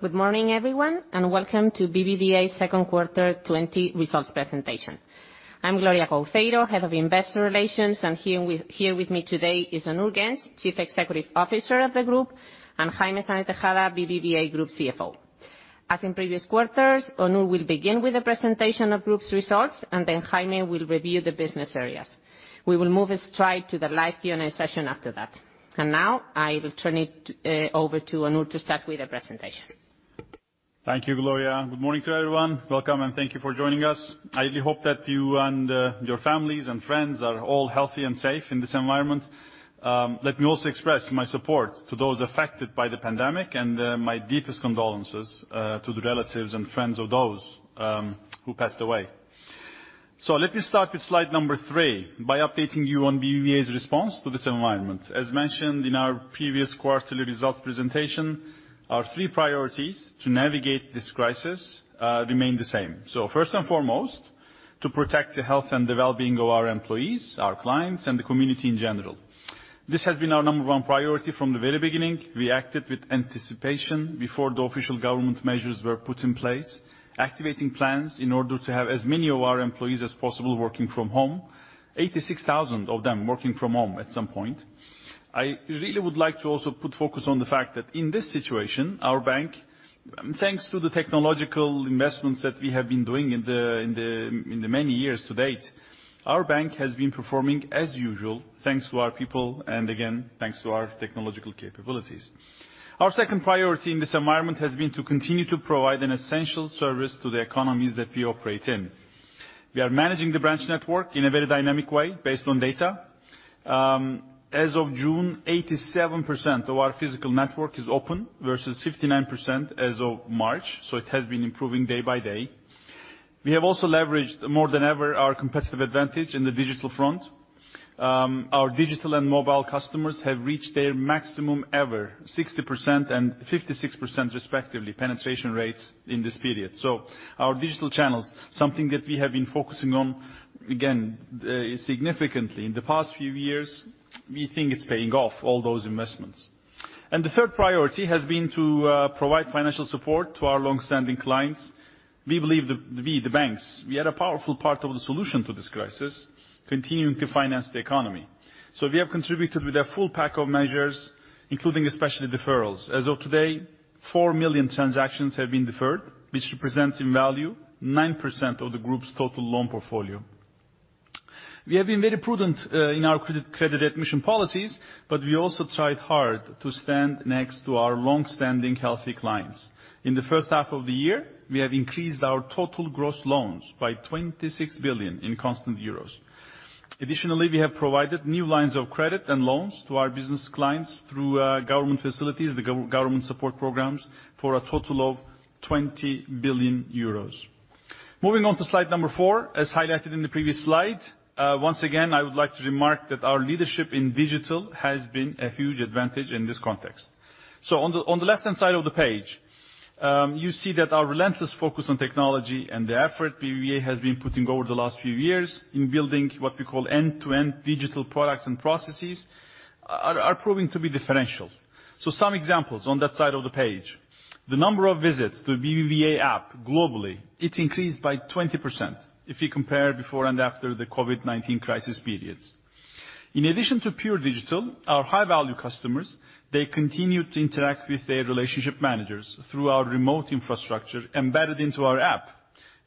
Good morning, everyone, and welcome to BBVA's second quarter 2020 results presentation. I'm Gloria Couceiro, Head of Investor Relations, and here with me today is Onur Genç, Chief Executive Officer of the Group; and Jaime Sáenz de Tejada, BBVA Group CFO. As in previous quarters, Onur will begin with the presentation of Group's results, and then Jaime will review the business areas. We will move straight to the live Q&A session after that. Now, I will turn it over to Onur to start with the presentation. Thank you, Gloria. Good morning to everyone. Welcome, and thank you for joining us. I really hope that you and your families and friends are all healthy and safe in this environment. Let me also express my support to those affected by the pandemic, and my deepest condolences to the relatives and friends of those who passed away. Let me start with slide number three, by updating you on BBVA's response to this environment. As mentioned in our previous quarterly results presentation, our three priorities to navigate this crisis remain the same. First and foremost, to protect the health and the well-being of our employees, our clients, and the community in general. This has been our number one priority from the very beginning. We acted with anticipation before the official government measures were put in place, activating plans in order to have as many of our employees as possible working from home, 86,000 of them working from home at some point. I really would like to also put focus on the fact that in this situation, our bank, thanks to the technological investments that we have been doing in the many years to date, our bank has been performing as usual, thanks to our people, and again, thanks to our technological capabilities. Our second priority in this environment has been to continue to provide an essential service to the economies that we operate in. We are managing the branch network in a very dynamic way based on data. As of June, 87% of our physical network is open versus 59% as of March, so it has been improving day by day. We have also leveraged more than ever our competitive advantage in the digital front. Our digital and mobile customers have reached their maximum ever, 60% and 56% respectively, penetration rates in this period. Our digital channels, something that we have been focusing on, again, significantly in the past few years, we think it's paying off, all those investments. The third priority has been to provide financial support to our longstanding clients. We believe we, the banks, we are a powerful part of the solution to this crisis, continuing to finance the economy. We have contributed with a full pack of measures, including especially deferrals. As of today, four million transactions have been deferred, which represents in value 9% of the group's total loan portfolio. We have been very prudent in our credit admission policies, but we also tried hard to stand next to our longstanding healthy clients. In the first half of the year, we have increased our total gross loans by 26 billion in constant euros. Additionally, we have provided new lines of credit and loans to our business clients through government facilities, the government support programs, for a total of 20 billion euros. Moving on to slide number four. As highlighted in the previous slide, once again, I would like to remark that our leadership in digital has been a huge advantage in this context. On the left-hand side of the page, you see that our relentless focus on technology and the effort BBVA has been putting over the last few years in building what we call end-to-end digital products and processes are proving to be differential. Some examples on that side of the page. The number of visits to the BBVA app globally, it increased by 20% if you compare before and after the COVID-19 crisis periods. In addition to pure digital, our high-value customers, they continue to interact with their relationship managers through our remote infrastructure embedded into our app.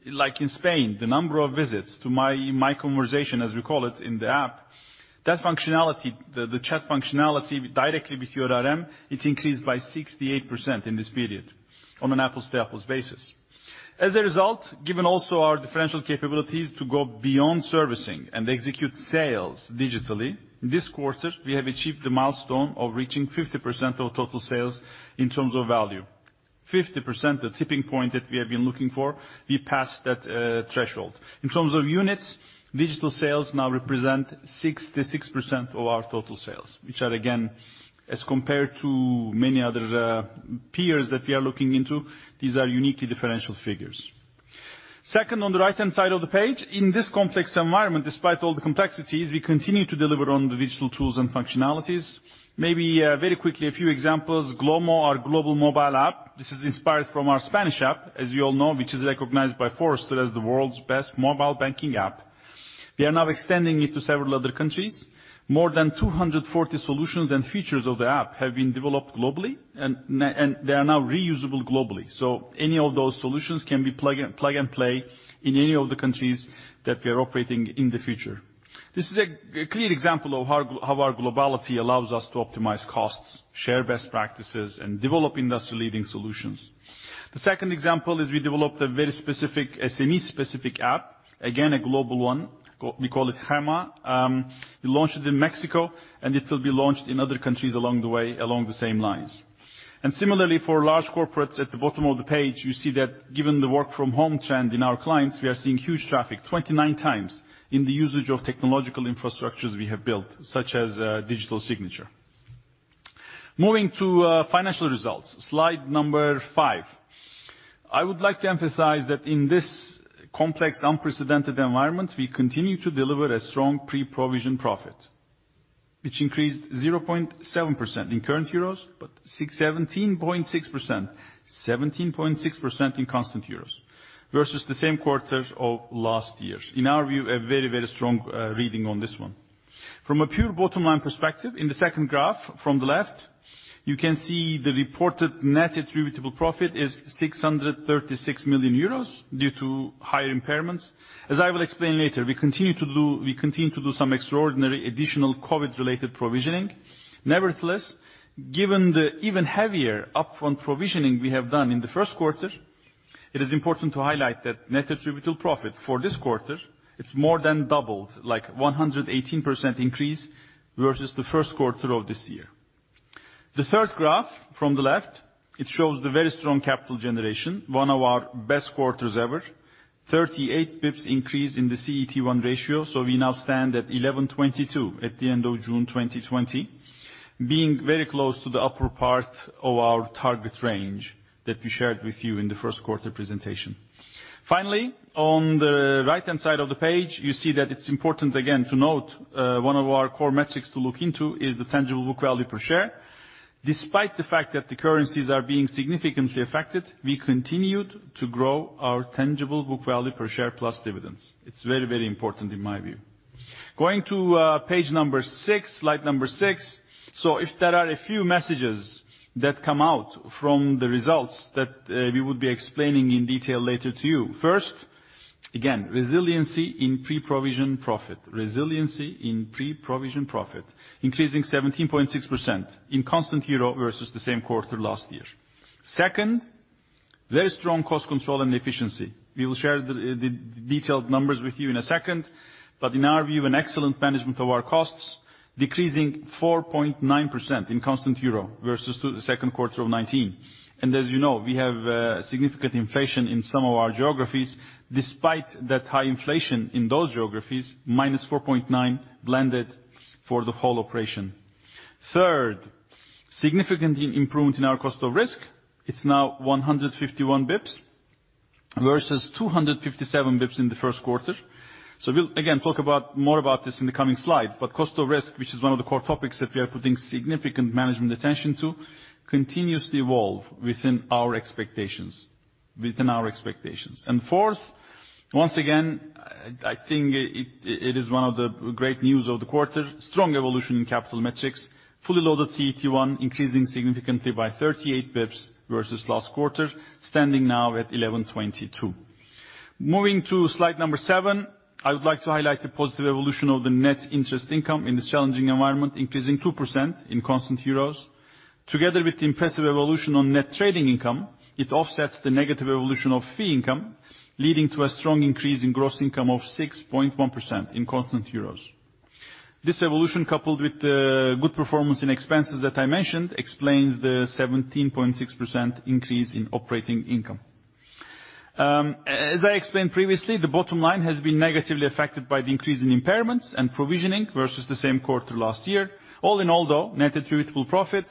Like in Spain, the number of visits to My Conversations, as we call it in the app, that functionality, the chat functionality directly with your RM, it increased by 68% in this period on an apples-to-apples basis. As a result, given also our differential capabilities to go beyond servicing and execute sales digitally, this quarter, we have achieved the milestone of reaching 50% of total sales in terms of value. 50%, the tipping point that we have been looking for, we passed that threshold. In terms of units, digital sales now represent 66% of our total sales, which are again, as compared to many other peers that we are looking into, these are uniquely differential figures. Second, on the right-hand side of the page, in this complex environment, despite all the complexities, we continue to deliver on the digital tools and functionalities. Maybe very quickly, a few examples. GloMo, our global mobile app. This is inspired from our Spanish app, as you all know, which is recognized by Forrester as the world's best mobile banking app. We are now extending it to several other countries. More than 240 solutions and features of the app have been developed globally, and they are now reusable globally. Any of those solutions can be plug and play in any of the countries that we are operating in the future. This is a clear example of how our globality allows us to optimize costs, share best practices, and develop industry-leading solutions. Second example is we developed a very SME-specific app. A global one. We call it GEMA. We launched it in Mexico, it will be launched in other countries along the way along the same lines. Similarly, for large corporates, at the bottom of the page, you see that given the work from home trend in our clients, we are seeing huge traffic, 29x in the usage of technological infrastructures we have built, such as digital signature. Moving to financial results. Slide number five. I would like to emphasize that in this complex, unprecedented environment, we continue to deliver a strong pre-provision profit, which increased 0.7% in current euros, but 17.6% in constant euros versus the same quarter of last year. In our view, a very strong reading on this one. From a pure bottom-line perspective, in the second graph from the left, you can see the reported net attributable profit is 636 million euros due to higher impairments. As I will explain later, we continue to do some extraordinary additional COVID-related provisioning. Given the even heavier upfront provisioning we have done in the first quarter, it is important to highlight that net attributable profit for this quarter, it's more than doubled, like 118% increase, versus the first quarter of this year. The third graph from the left, it shows the very strong capital generation, one of our best quarters ever. 38 basis points increase in the CET1 ratio, so we now stand at 11.22% at the end of June 2020. Being very close to the upper part of our target range that we shared with you in the first quarter presentation. Finally, on the right-hand side of the page, you see that it's important again to note, one of our core metrics to look into is the tangible book value per share. Despite the fact that the currencies are being significantly affected, we continued to grow our tangible book value per share plus dividends. It's very important in my view. Going to page number six, slide number six. If there are a few messages that come out from the results that we would be explaining in detail later to you. First, again, resiliency in pre-provision profit. Resiliency in pre-provision profit, increasing 17.6% in constant euro versus the same quarter last year. Second, very strong cost control and efficiency. We will share the detailed numbers with you in a second, but in our view, an excellent management of our costs, decreasing 4.9% in constant EUR versus the second quarter of 2019. As you know, we have significant inflation in some of our geographies. Despite that high inflation in those geographies, -4.9 blended for the whole operation. Third, significant improvement in our cost of risk. It's now 151 basis points versus 257 basis points in the first quarter. We'll again talk more about this in the coming slides, but cost of risk, which is one of the core topics that we are putting significant management attention to, continuously evolve within our expectations. Fourth, once again, I think it is one of the great news of the quarter, strong evolution in capital metrics. Fully loaded CET1 increasing significantly by 38 basis points versus last quarter, standing now at 11.22%. Moving to slide number seven, I would like to highlight the positive evolution of the net interest income in this challenging environment, increasing 2% in constant euros. Together with the impressive evolution on net trading income, it offsets the negative evolution of fee income, leading to a strong increase in gross income of 6.1% in constant euros. This evolution, coupled with the good performance in expenses that I mentioned, explains the 17.6% increase in operating income. As I explained previously, the bottom line has been negatively affected by the increase in impairments and provisioning versus the same quarter last year. All in all, though, net attributable profit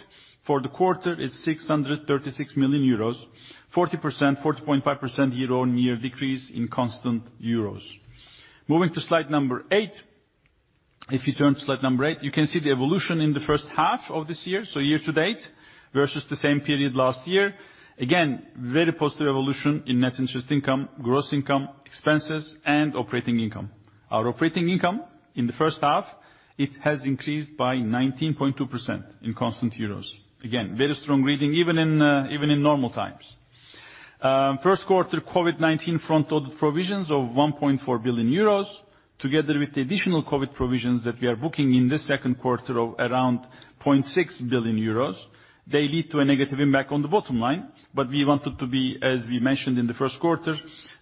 for the quarter is 636 million euros, 40.5% year-on-year decrease in constant EUR. Moving to slide number eight. If you turn to slide number eight, you can see the evolution in the first half of this year, so year-to-date, versus the same period last year. Again, very positive evolution in net interest income, gross income, expenses, and operating income. Our operating income in the first half, it has increased by 19.2% in constant euros. Very strong reading even in normal times. First quarter COVID-19 front-loaded provisions of 1.4 billion euros, together with the additional COVID provisions that we are booking in this second quarter of around 0.6 billion euros, they lead to a negative impact on the bottom line. We wanted to be, as we mentioned in the first quarter,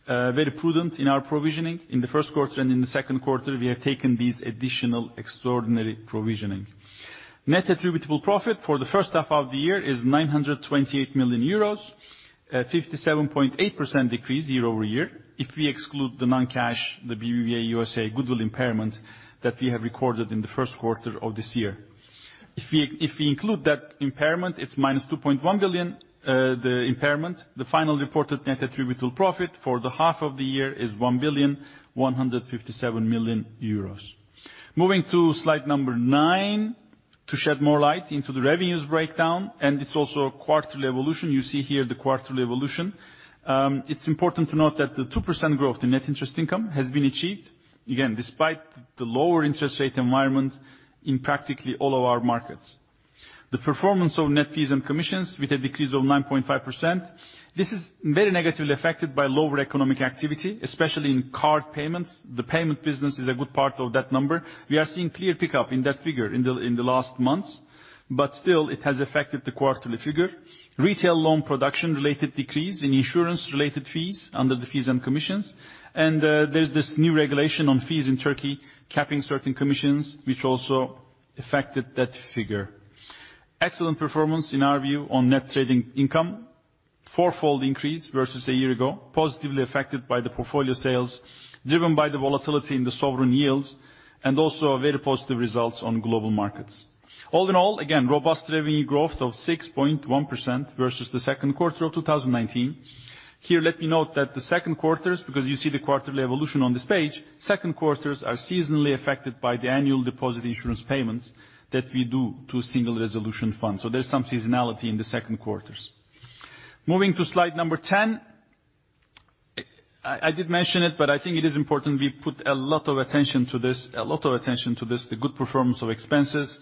very prudent in our provisioning. In the first quarter and in the second quarter, we have taken these additional extraordinary provisioning. Net attributable profit for the first half of the year is 928 million euros, a 57.8% decrease year-over-year if we exclude the non-cash, the BBVA USA goodwill impairment that we have recorded in the first quarter of this year. If we include that impairment, it's -$2.1 billion, the impairment. The final reported net attributable profit for the half of the year is 1,157,000,000 euros. Moving to slide number nine, to shed more light into the revenues breakdown, and it's also a quarterly evolution. You see here the quarterly evolution. It's important to note that the 2% growth in net interest income has been achieved, again, despite the lower interest rate environment in practically all of our markets. The performance of net fees and commissions with a decrease of 9.5%. This is very negatively affected by lower economic activity, especially in card payments. The payment business is a good part of that number. We are seeing clear pickup in that figure in the last months, but still, it has affected the quarterly figure. Retail loan production related decrease in insurance-related fees under the fees and commissions, and there's this new regulation on fees in Turkey capping certain commissions, which also affected that figure. Excellent performance in our view on net trading income. Fourfold increase versus a year ago, positively affected by the portfolio sales, driven by the volatility in the sovereign yields, and also very positive results on global markets. All in all, again, robust revenue growth of 6.1% versus the second quarter of 2019. Here, let me note that the second quarters, because you see the quarterly evolution on this page, second quarters are seasonally affected by the annual deposit insurance payments that we do to a Single Resolution Fund. There's some seasonality in the second quarters. Moving to slide number 10. I did mention it, but I think it is important we put a lot of attention to this, the good performance of expenses.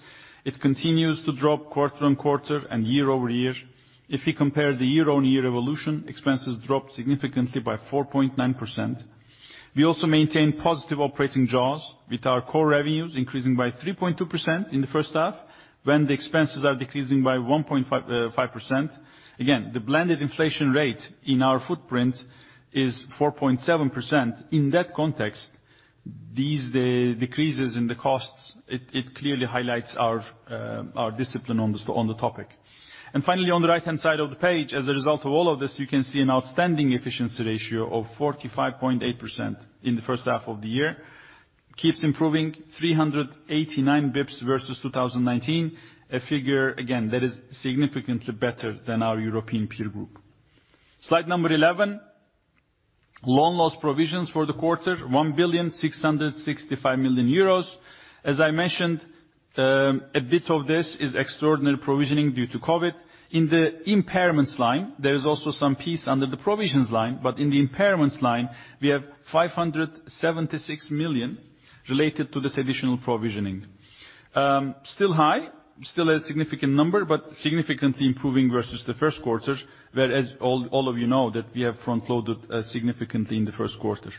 It continues to drop quarter-on-quarter and year-over-year. If we compare the year-on-year evolution, expenses dropped significantly by 4.9%. We also maintain positive operating jaws with our core revenues increasing by 3.2% in the first half, when the expenses are decreasing by 1.5%. Again, the blended inflation rate in our footprint is 4.7%. In that context, these decreases in the costs, it clearly highlights our discipline on the topic. Finally, on the right-hand side of the page, as a result of all of this, you can see an outstanding efficiency ratio of 45.8% in the first half of the year. Keeps improving 389 basis points versus 2019. A figure, again, that is significantly better than our European peer group. Slide number 11, loan loss provisions for the quarter, 1,665,000,000 euros. As I mentioned, a bit of this is extraordinary provisioning due to COVID-19. In the impairments line, there is also some piece under the provisions line, but in the impairments line, we have 576 million related to this additional provisioning. Still high, still a significant number, but significantly improving versus the first quarter, whereas all of you know that we have front-loaded significantly in the first quarter.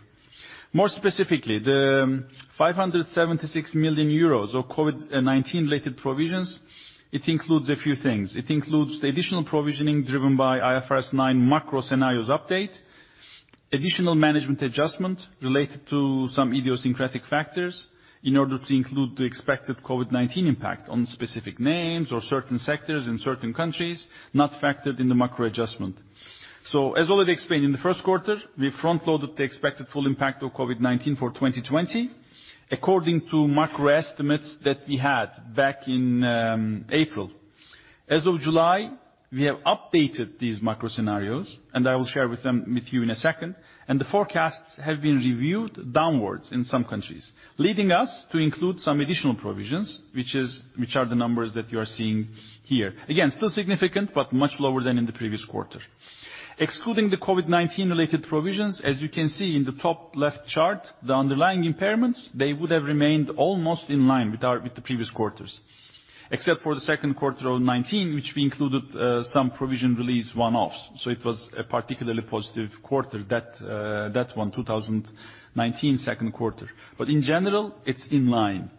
More specifically, the 576 million euros of COVID-19 related provisions, it includes a few things. It includes the additional provisioning driven by IFRS 9 macro scenarios update, additional management adjustment related to some idiosyncratic factors in order to include the expected COVID-19 impact on specific names or certain sectors in certain countries not factored in the macro adjustment. As already explained, in the first quarter, we front-loaded the expected full impact of COVID-19 for 2020, according to macro estimates that we had back in April. As of July, we have updated these macro scenarios, and I will share with you in a second, and the forecasts have been reviewed downwards in some countries, leading us to include some additional provisions, which are the numbers that you are seeing here. Again, still significant, much lower than in the previous quarter. Excluding the COVID-19 related provisions, as you can see in the top left chart, the underlying impairments, they would have remained almost in line with the previous quarters. Except for the second quarter of 2019, which we included some provision release one-offs. It was a particularly positive quarter, that one, 2019 second quarter. In general, it's in line.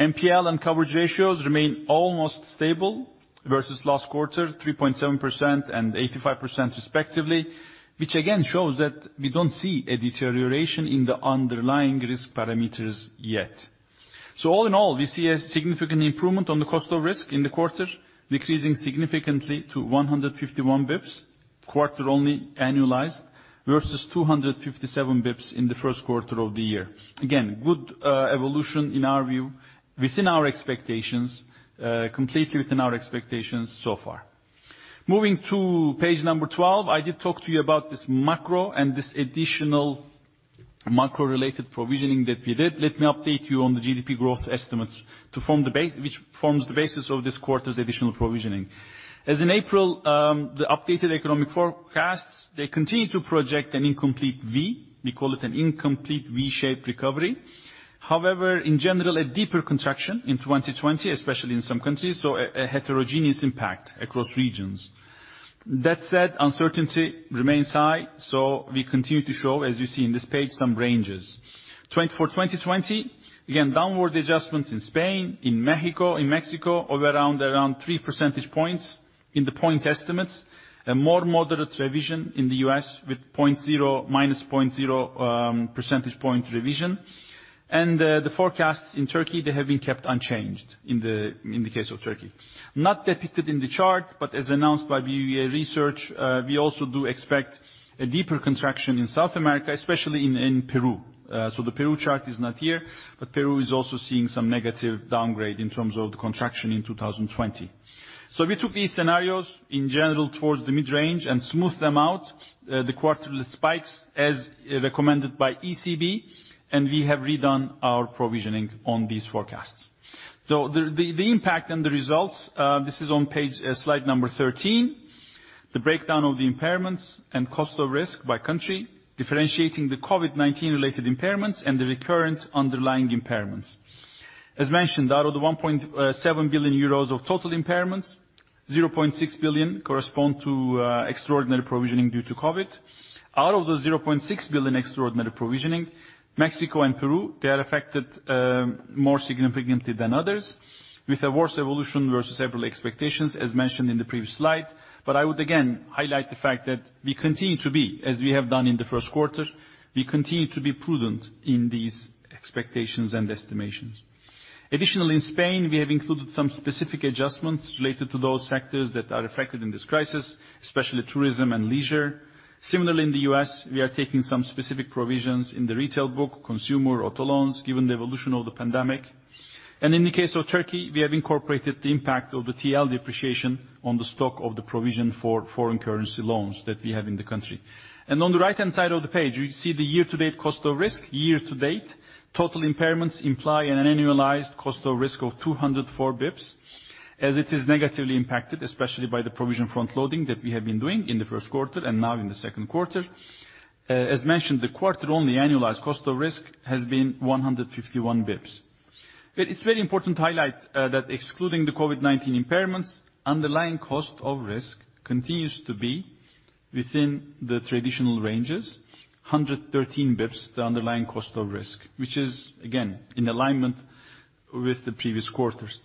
NPL and coverage ratios remain almost stable versus last quarter, 3.7% and 85% respectively, which again shows that we don't see a deterioration in the underlying risk parameters yet. All in all, we see a significant improvement on the cost of risk in the quarter, decreasing significantly to 151 basis points, quarter only annualized, versus 257 basis points in the first quarter of the year. Good evolution in our view, within our expectations, completely within our expectations so far. Moving to page number 12, I did talk to you about this macro and this additional macro-related provisioning that we did. Let me update you on the GDP growth estimates which forms the basis of this quarter's additional provisioning. As in April, the updated economic forecasts, they continue to project an incomplete V. We call it an incomplete V-shaped recovery. In general, a deeper contraction in 2020, especially in some countries, so a heterogeneous impact across regions. That said, uncertainty remains high, we continue to show, as you see on this page, some ranges. For 2020, again, downward adjustments in Spain, in Mexico of around 3 percentage points in the point estimates. A more moderate revision in the U.S. with -0.0 percentage point revision. The forecasts in Turkey, they have been kept unchanged in the case of Turkey. Not depicted in the chart, as announced by BBVA Research, we also do expect a deeper contraction in South America, especially in Peru. The Peru chart is not here, Peru is also seeing some negative downgrade in terms of the contraction in 2020. We took these scenarios in general towards the mid-range and smoothed them out, the quarterly spikes, as recommended by ECB, and we have redone our provisioning on these forecasts. The impact and the results, this is on slide number 13. The breakdown of the impairments and cost of risk by country, differentiating the COVID-19-related impairments and the recurrent underlying impairments. As mentioned, out of the 1.7 billion euros of total impairments, 0.6 billion correspond to extraordinary provisioning due to COVID-19. Out of the 0.6 billion extraordinary provisioning, Mexico and Peru, they are affected more significantly than others, with a worse evolution versus several expectations, as mentioned in the previous slide. I would again highlight the fact that we continue to be, as we have done in the first quarter, we continue to be prudent in these expectations and estimations. Additionally, in Spain, we have included some specific adjustments related to those sectors that are affected in this crisis, especially tourism and leisure. Similarly, in the U.S., we are taking some specific provisions in the retail book, consumer, auto loans, given the evolution of the pandemic. In the case of Turkey, we have incorporated the impact of the TL depreciation on the stock of the provision for foreign currency loans that we have in the country. On the right-hand side of the page, we see the year-to-date cost of risk. Year-to-date, total impairments imply an annualized cost of risk of 204 basis points, as it is negatively impacted, especially by the provision front-loading that we have been doing in the first quarter and now in the second quarter. As mentioned, the quarter-only annualized cost of risk has been 151 basis points. It's very important to highlight that excluding the COVID-19 impairments, underlying cost of risk continues to be within the traditional ranges, 113 basis points, the underlying cost of risk, which is again in alignment with the previous quarters.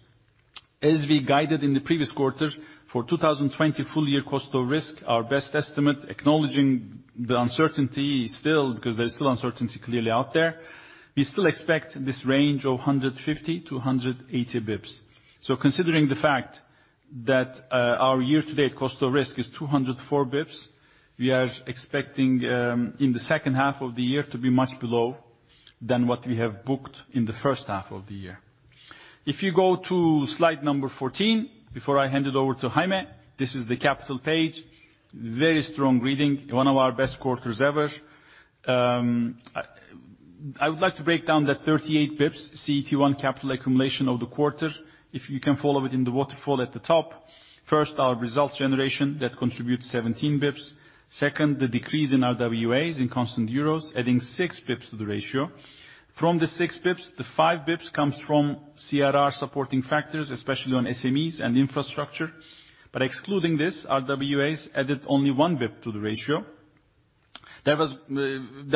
As we guided in the previous quarter, for 2020 full-year cost of risk, our best estimate, acknowledging the uncertainty still, because there's still uncertainty clearly out there, we still expect this range of 150 to 180 basis points. Considering the fact that our year-to-date cost of risk is 204 basis points, we are expecting in the second half of the year to be much below than what we have booked in the first half of the year. If you go to slide number 14, before I hand it over to Jaime, this is the capital page. Very strong reading. One of our best quarters ever. I would like to break down that 38 basis points CET1 capital accumulation of the quarter, if you can follow it in the waterfall at the top. First, our results generation, that contributes 17 basis points. Second, the decrease in RWAs in constant euros, adding six basis points to the ratio. From the 6 basis points, the 5 basis points comes from CRR supporting factors, especially on SMEs and infrastructure. Excluding this, RWAs added only 1 basis point to the ratio. There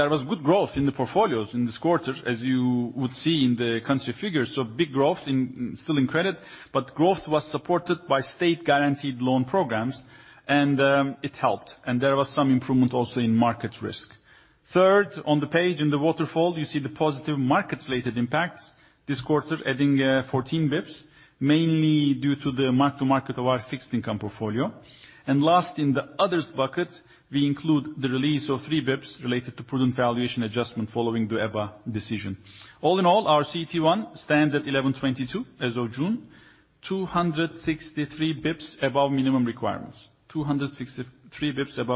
was good growth in the portfolios in this quarter, as you would see in the country figures. Big growth still in credit, but growth was supported by state-guaranteed loan programs, and it helped. There was some improvement also in market risk. Third, on the page in the waterfall, you see the positive markets-related impacts this quarter, adding 14 basis points, mainly due to the mark-to-market of our fixed income portfolio. Last, in the others bucket, we include the release of three basis points related to prudent valuation adjustment following the EBA decision. All in all, our CET1 stands at 1,122 as of June. 263 basis points above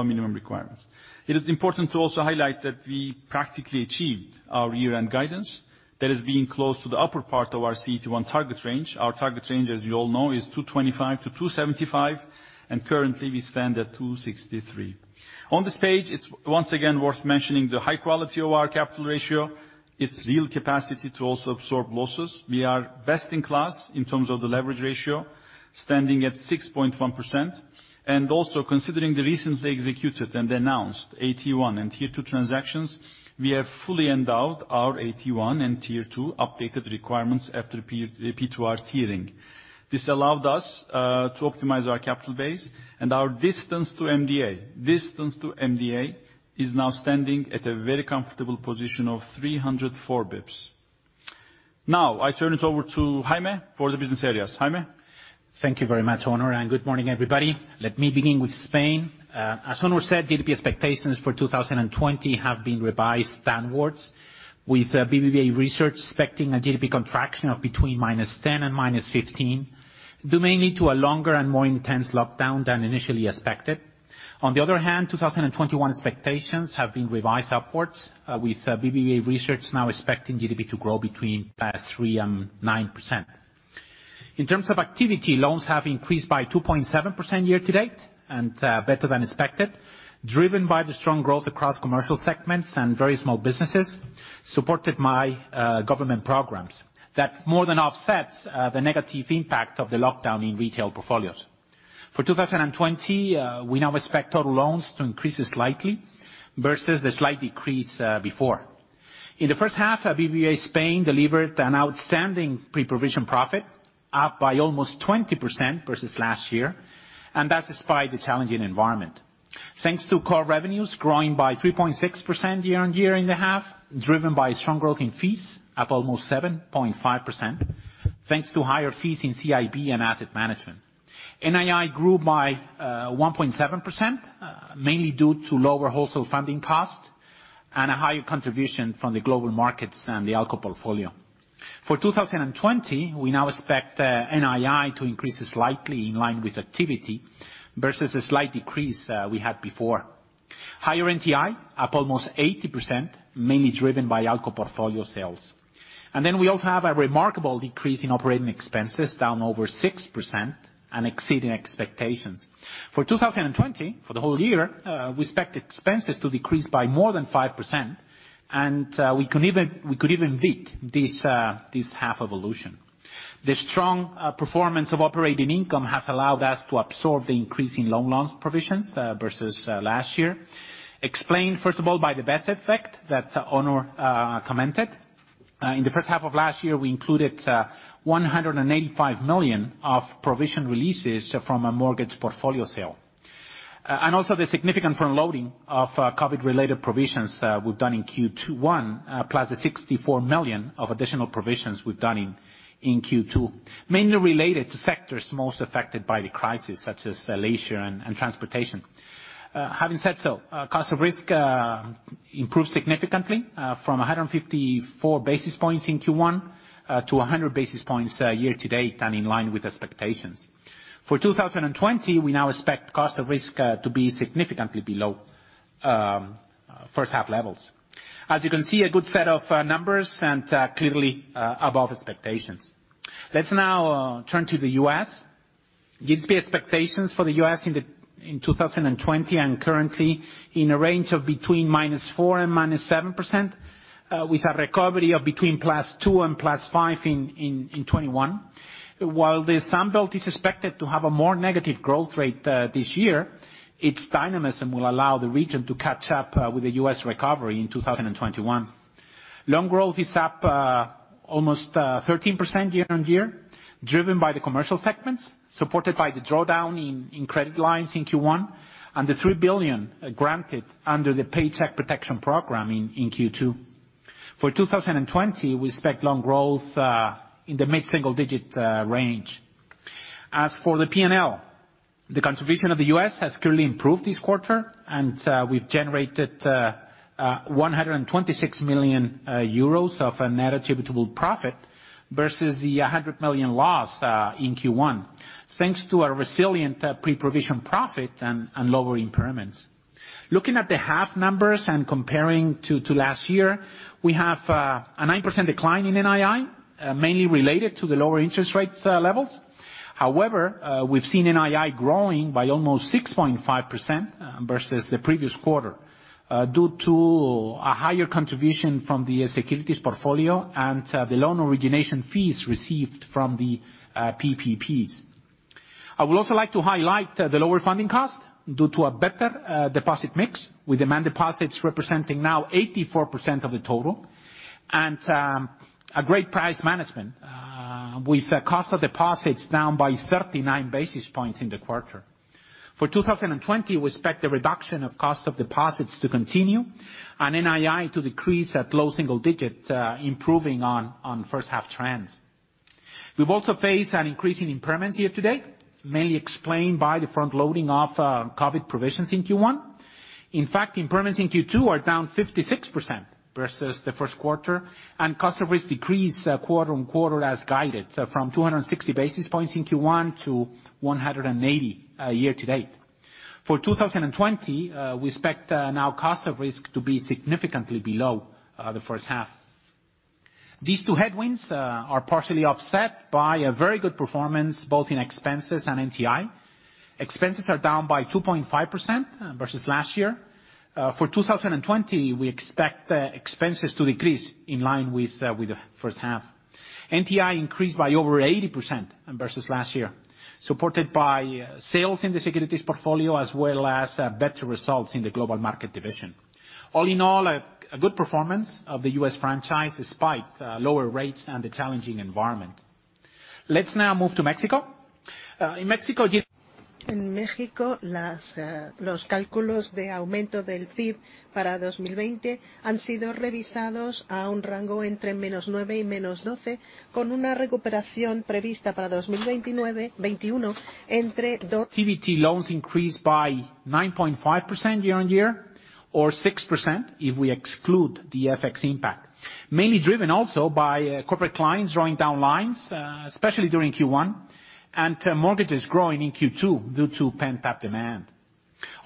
minimum requirements. It is important to also highlight that we practically achieved our year-end guidance, that is, being close to the upper part of our CET1 target range. Our target range, as you all know, is 225 basis points to 275 basis points, and currently we stand at 263 basis points. On this page, it's once again worth mentioning the high quality of our capital ratio, its real capacity to also absorb losses. We are best in class in terms of the leverage ratio, standing at 6.1%. Also considering the recently executed and announced AT1 and Tier 2 transactions, we have fully endowed our AT1 and Tier 2 updated requirements after P2R tiering. This allowed us to optimize our capital base and our distance to MDA. Distance to MDA is now standing at a very comfortable position of 304 basis points. I turn it over to Jaime for the business areas. Jaime? Thank you very much, Onur, and good morning, everybody. Let me begin with Spain. As Onur said, GDP expectations for 2020 have been revised downwards, with BBVA Research expecting a GDP contraction of between -10% and -15%, due mainly to a longer and more intense lockdown than initially expected. On the other hand, 2021 expectations have been revised upwards, with BBVA Research now expecting GDP to grow between 3% and 9%. In terms of activity, loans have increased by 2.7% year-to-date, and better than expected, driven by the strong growth across commercial segments and very small businesses, supported by government programs that more than offset the negative impact of the lockdown in retail portfolios. For 2020, we now expect total loans to increase slightly versus the slight decrease before. In the first half, BBVA Spain delivered an outstanding pre-provision profit, up by almost 20% versus last year, despite the challenging environment. Thanks to core revenues growing by 3.6% year-on-year in the half, driven by strong growth in fees, up almost 7.5%, thanks to higher fees in CIB and asset management. NII grew by 1.7%, mainly due to lower wholesale funding costs and a higher contribution from the global markets and the ALCO portfolio. For 2020, we now expect NII to increase slightly in line with activity, versus a slight decrease we had before. Higher NTI, up almost 80%, mainly driven by ALCO portfolio sales. We also have a remarkable decrease in operating expenses, down over 6% and exceeding expectations. For 2020, for the whole year, we expect expenses to decrease by more than 5%, and we could even beat this half evolution. The strong performance of operating income has allowed us to absorb the increase in loan loss provisions versus last year, explained, first of all, by the base effect that Onur commented. In the first half of last year, we included 185 million of provision releases from a mortgage portfolio sale. Also the significant front-loading of COVID-related provisions we've done in Q2 one, plus the 64 million of additional provisions we've done in Q2, mainly related to sectors most affected by the crisis, such as leisure and transportation. Having said so, cost of risk improved significantly from 154 basis points in Q1 to 100 basis points year-to-date and in line with expectations. For 2020, we now expect cost of risk to be significantly below first half levels. As you can see, a good set of numbers and clearly above expectations. Let's now turn to the U.S. BBVA expectations for the U.S. in 2020 currently in a range of between -4% and -7%, with a recovery of between +2% and +5% in 2021. The Sun Belt is expected to have a more negative growth rate this year, its dynamism will allow the region to catch up with the U.S. recovery in 2021. Loan growth is up almost 13% year-on-year, driven by the commercial segments, supported by the drawdown in credit lines in Q1, and the 3 billion granted under the Paycheck Protection Program in Q2. For 2020, we expect loan growth in the mid-single digit range. As for the P&L, the contribution of the U.S. has clearly improved this quarter. We've generated 126 million euros of net attributable profit versus the 100 million loss in Q1, thanks to our resilient pre-provision profit and lower impairments. Looking at the half numbers and comparing to last year, we have a 9% decline in NII, mainly related to the lower interest rates levels. We've seen NII growing by almost 6.5% versus the previous quarter, due to a higher contribution from the securities portfolio and the loan origination fees received from the PPPs. I would also like to highlight the lower funding cost due to a better deposit mix, with demand deposits representing now 84% of the total, and a great price management, with cost of deposits down by 39 basis points in the quarter. For 2020, we expect the reduction of cost of deposits to continue and NII to decrease at low single digit, improving on first half trends. We've also faced an increase in impairments year-to-date, mainly explained by the front-loading of COVID provisions in Q1. In fact, impairments in Q2 are down 56% versus the first quarter, and cost of risk decreased quarter-on-quarter as guided, from 260 basis points in Q1 to 180 year-to-date. For 2020, we expect now cost of risk to be significantly below the first half. These two headwinds are partially offset by a very good performance, both in expenses and NTI. Expenses are down by 2.5% versus last year. For 2020, we expect expenses to decrease in line with the first half. NTI increased by over 80% versus last year, supported by sales in the securities portfolio, as well as better results in the global market division. All in all, a good performance of the U.S. franchise despite lower rates and the challenging environment. Let's now move to Mexico. In Mexico, TBT loans increased by 9.5% year-on-year, or 6% if we exclude the FX impact. Mainly driven also by corporate clients drawing down lines, especially during Q1, and mortgages growing in Q2 due to pent-up demand.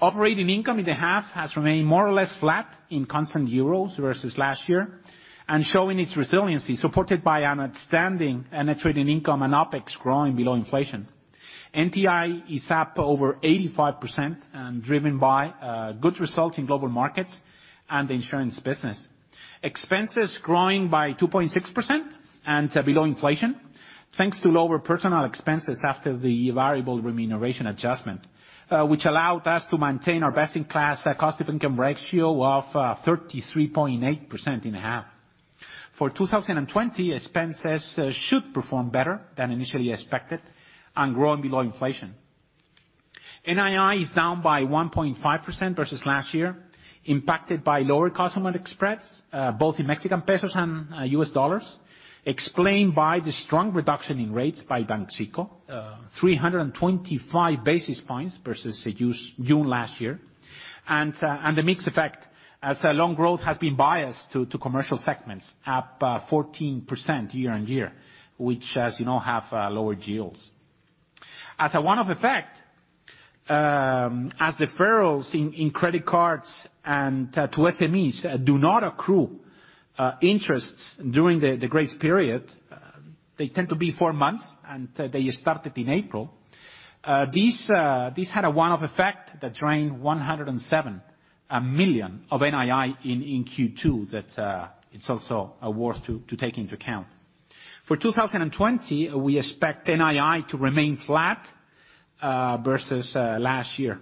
Operating income in the half has remained more or less flat in constant EUR versus last year, and showing its resiliency, supported by an outstanding net trading income and OpEx growing below inflation. NTI is up over 85%, driven by good results in global markets and the insurance business. Expenses growing by 2.6% and below inflation, thanks to lower personnel expenses after the variable remuneration adjustment, which allowed us to maintain our best-in-class cost-to-income ratio of 33.8% in a half. For 2020, expenses should perform better than initially expected and grow in below inflation. NII is down by 1.5% versus last year, impacted by lower customer spreads, both in Mexican pesos and US dollars, explained by the strong reduction in rates by Banxico, 325 basis points versus June last year. The mix effect as loan growth has been biased to commercial segments, up 14% year-on-year, which as you know have lower yields. As a one-off effect, as deferrals in credit cards and to SMEs do not accrue interests during the grace period, they tend to be four months, and they started in April. This had a one-off effect that drained 107 million of NII in Q2 that it's also worth to take into account. For 2020, we expect NII to remain flat versus last year.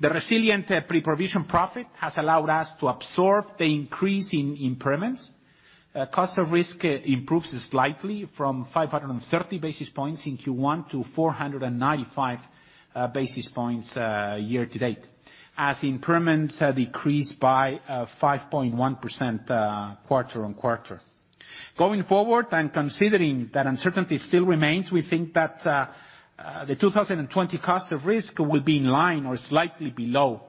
The resilient pre-provision profit has allowed us to absorb the increase in impairments. Cost of risk improves slightly from 530 basis points in Q1 to 495 basis points year to date, as impairments decrease by 5.1% quarter-on-quarter. Going forward, and considering that uncertainty still remains, we think that the 2020 cost of risk will be in line or slightly below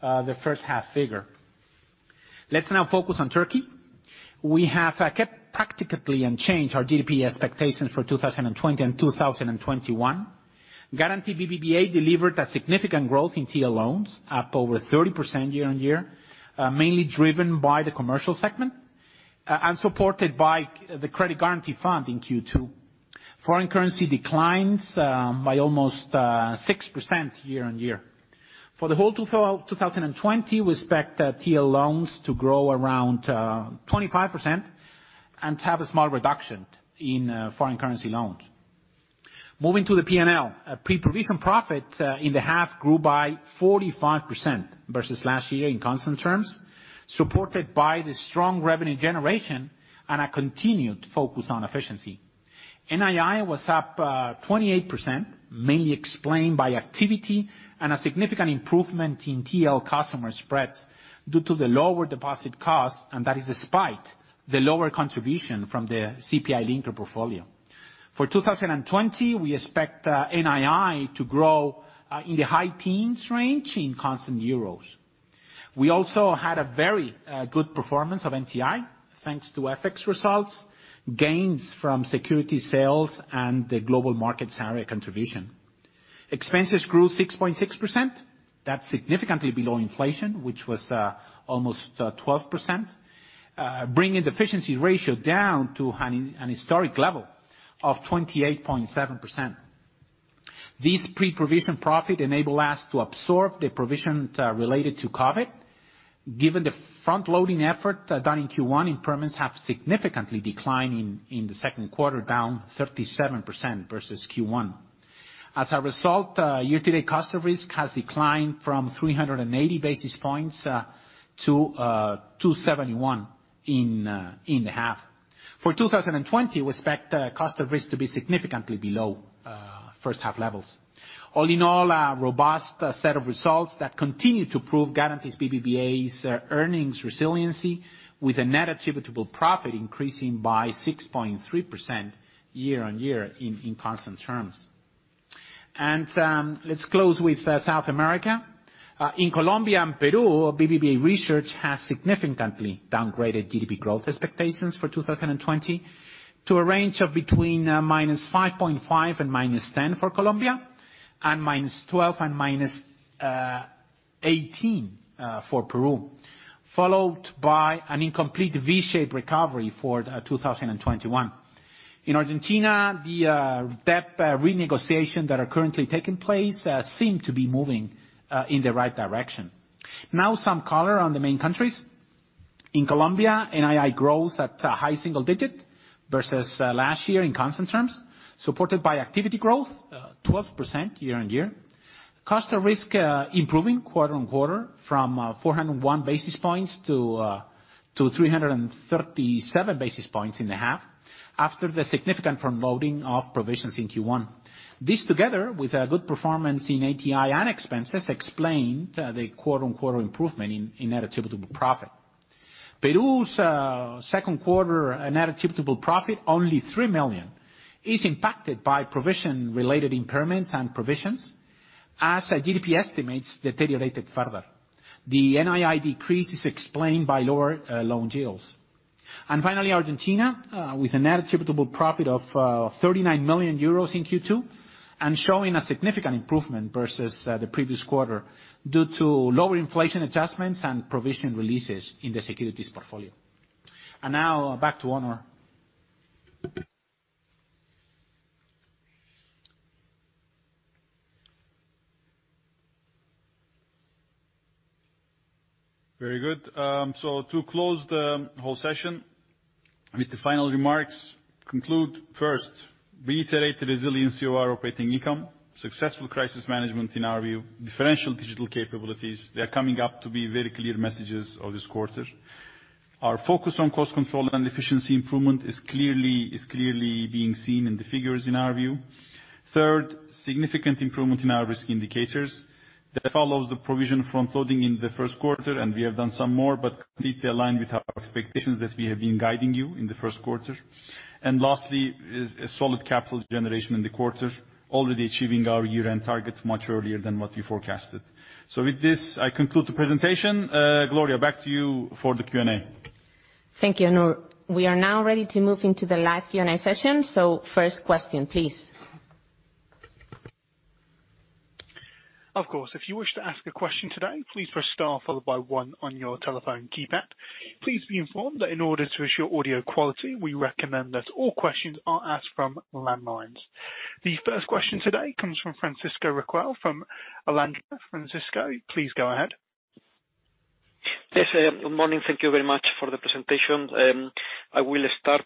the first half figure. Let's now focus on Turkey. We have kept practically unchanged our GDP expectations for 2020 and 2021. Garanti BBVA delivered a significant growth in TL loans, up over 30% year-on-year, mainly driven by the commercial segment, and supported by the credit guarantee fund in Q2. Foreign currency declines by almost 6% year-on-year. For the whole of 2020, we expect TL loans to grow around 25% and to have a small reduction in foreign currency loans. Moving to the P&L. Pre-provision profit in the half grew by 45% versus last year in constant terms, supported by the strong revenue generation and a continued focus on efficiency. NII was up 28%, mainly explained by activity and a significant improvement in TL customer spreads due to the lower deposit cost. That is despite the lower contribution from the CPI-linked portfolio. For 2020, we expect NII to grow in the high teens range in constant euros. We also had a very good performance of NTI, thanks to FX results, gains from security sales, and the global markets area contribution. Expenses grew 6.6%. That's significantly below inflation, which was almost 12%, bringing the efficiency ratio down to an historic level of 28.7%. This pre-provision profit enable us to absorb the provisions related to COVID-19. Given the front-loading effort done in Q1, impairments have significantly declined in the second quarter, down 37% versus Q1. As a result, year-to-date cost of risk has declined from 380 basis points to 271 basis points in the half. For 2020, we expect cost of risk to be significantly below first half levels. All in all, a robust set of results that continue to prove Garanti BBVA's earnings resiliency, with a net attributable profit increasing by 6.3% year-on-year in constant terms. Let's close with South America. In Colombia and Peru, BBVA Research has significantly downgraded GDP growth expectations for 2020 to a range of between –5.5% and –10% for Colombia, and –12% and –18% for Peru, followed by an incomplete V-shaped recovery for 2021. In Argentina, the debt renegotiation that are currently taking place seem to be moving in the right direction. Some color on the main countries. In Colombia, NII grows at high single digit versus last year in constant terms, supported by activity growth 12% year-on-year. Cost of risk improving quarter-on-quarter from 401 basis points to 337 basis points in the half after the significant front-loading of provisions in Q1. This, together with a good performance in NTI and expenses, explained the quarter-on-quarter improvement in net attributable profit. Peru's second quarter net attributable profit, only 3 million, is impacted by provision-related impairments and provisions, as GDP estimates deteriorated further. The NII decrease is explained by lower loan yields. Finally, Argentina, with a net attributable profit of 39 million euros in Q2, and showing a significant improvement versus the previous quarter due to lower inflation adjustments and provision releases in the securities portfolio. Now back to Onur. To close the whole session with the final remarks, conclude first, reiterate the resiliency of our operating income, successful crisis management in our view, differential digital capabilities, they are coming up to be very clear messages of this quarter. Our focus on cost control and efficiency improvement is clearly being seen in the figures in our view. Third, significant improvement in our risk indicators. That follows the provision front-loading in the first quarter, and we have done some more, but completely aligned with our expectations that we have been guiding you in the first quarter. Lastly is a solid capital generation in the quarter, already achieving our year-end target much earlier than what we forecasted. With this, I conclude the presentation. Gloria, back to you for the Q&A. Thank you, Onur. We are now ready to move into the live Q&A session. First question, please. Of course. If you wish to ask a question today, please press star followed by one on your telephone keypad. Please be informed that in order to assure audio quality, we recommend that all questions are asked from landlines. The first question today comes from Francisco Riquel from Alantra. Francisco, please go ahead. Yes. Good morning. Thank you very much for the presentation. I will start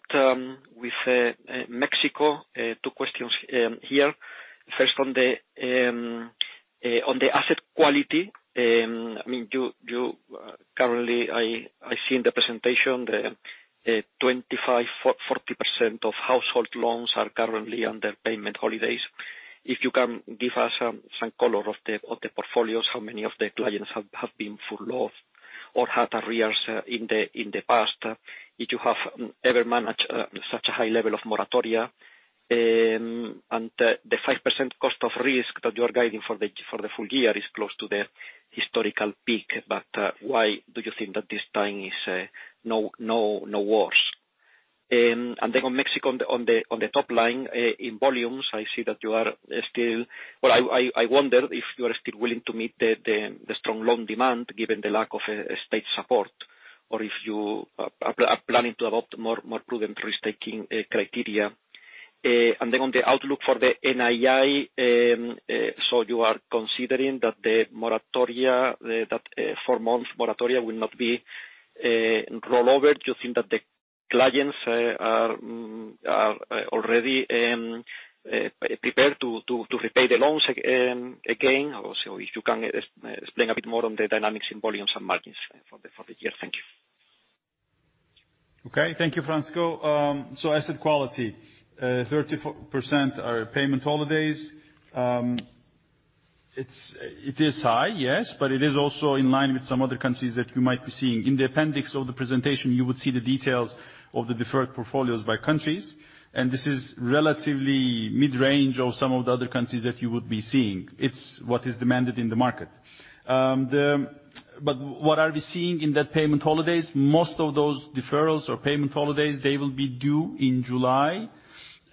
with Mexico. Two questions here. First, on the asset quality. Currently, I see in the presentation that 25%-40% of household loans are currently under payment holidays. If you can give us some color of the portfolios, how many of the clients have been furloughed or had arrears in the past? If you have ever managed such a high level of moratoria. The 5% cost of risk that you are guiding for the full year is close to the historical peak. Why do you think that this time is no worse? On Mexico, on the top line, in volumes, I wonder if you are still willing to meet the strong loan demand, given the lack of state support, or if you are planning to adopt more prudent risk-taking criteria. On the outlook for the NII, you are considering that the four-month moratoria will not be rolled over. Do you think that the clients are already prepared to repay the loans again? Also, if you can explain a bit more on the dynamics in volumes and margins for the year. Thank you. Okay. Thank you, Francisco. Asset quality, 30% are payment holidays. It is high, yes, but it is also in line with some other countries that you might be seeing. In the appendix of the presentation, you would see the details of the deferred portfolios by countries, and this is relatively mid-range of some of the other countries that you would be seeing. It's what is demanded in the market. What are we seeing in that payment holidays, most of those deferrals or payment holidays, they will be due in July,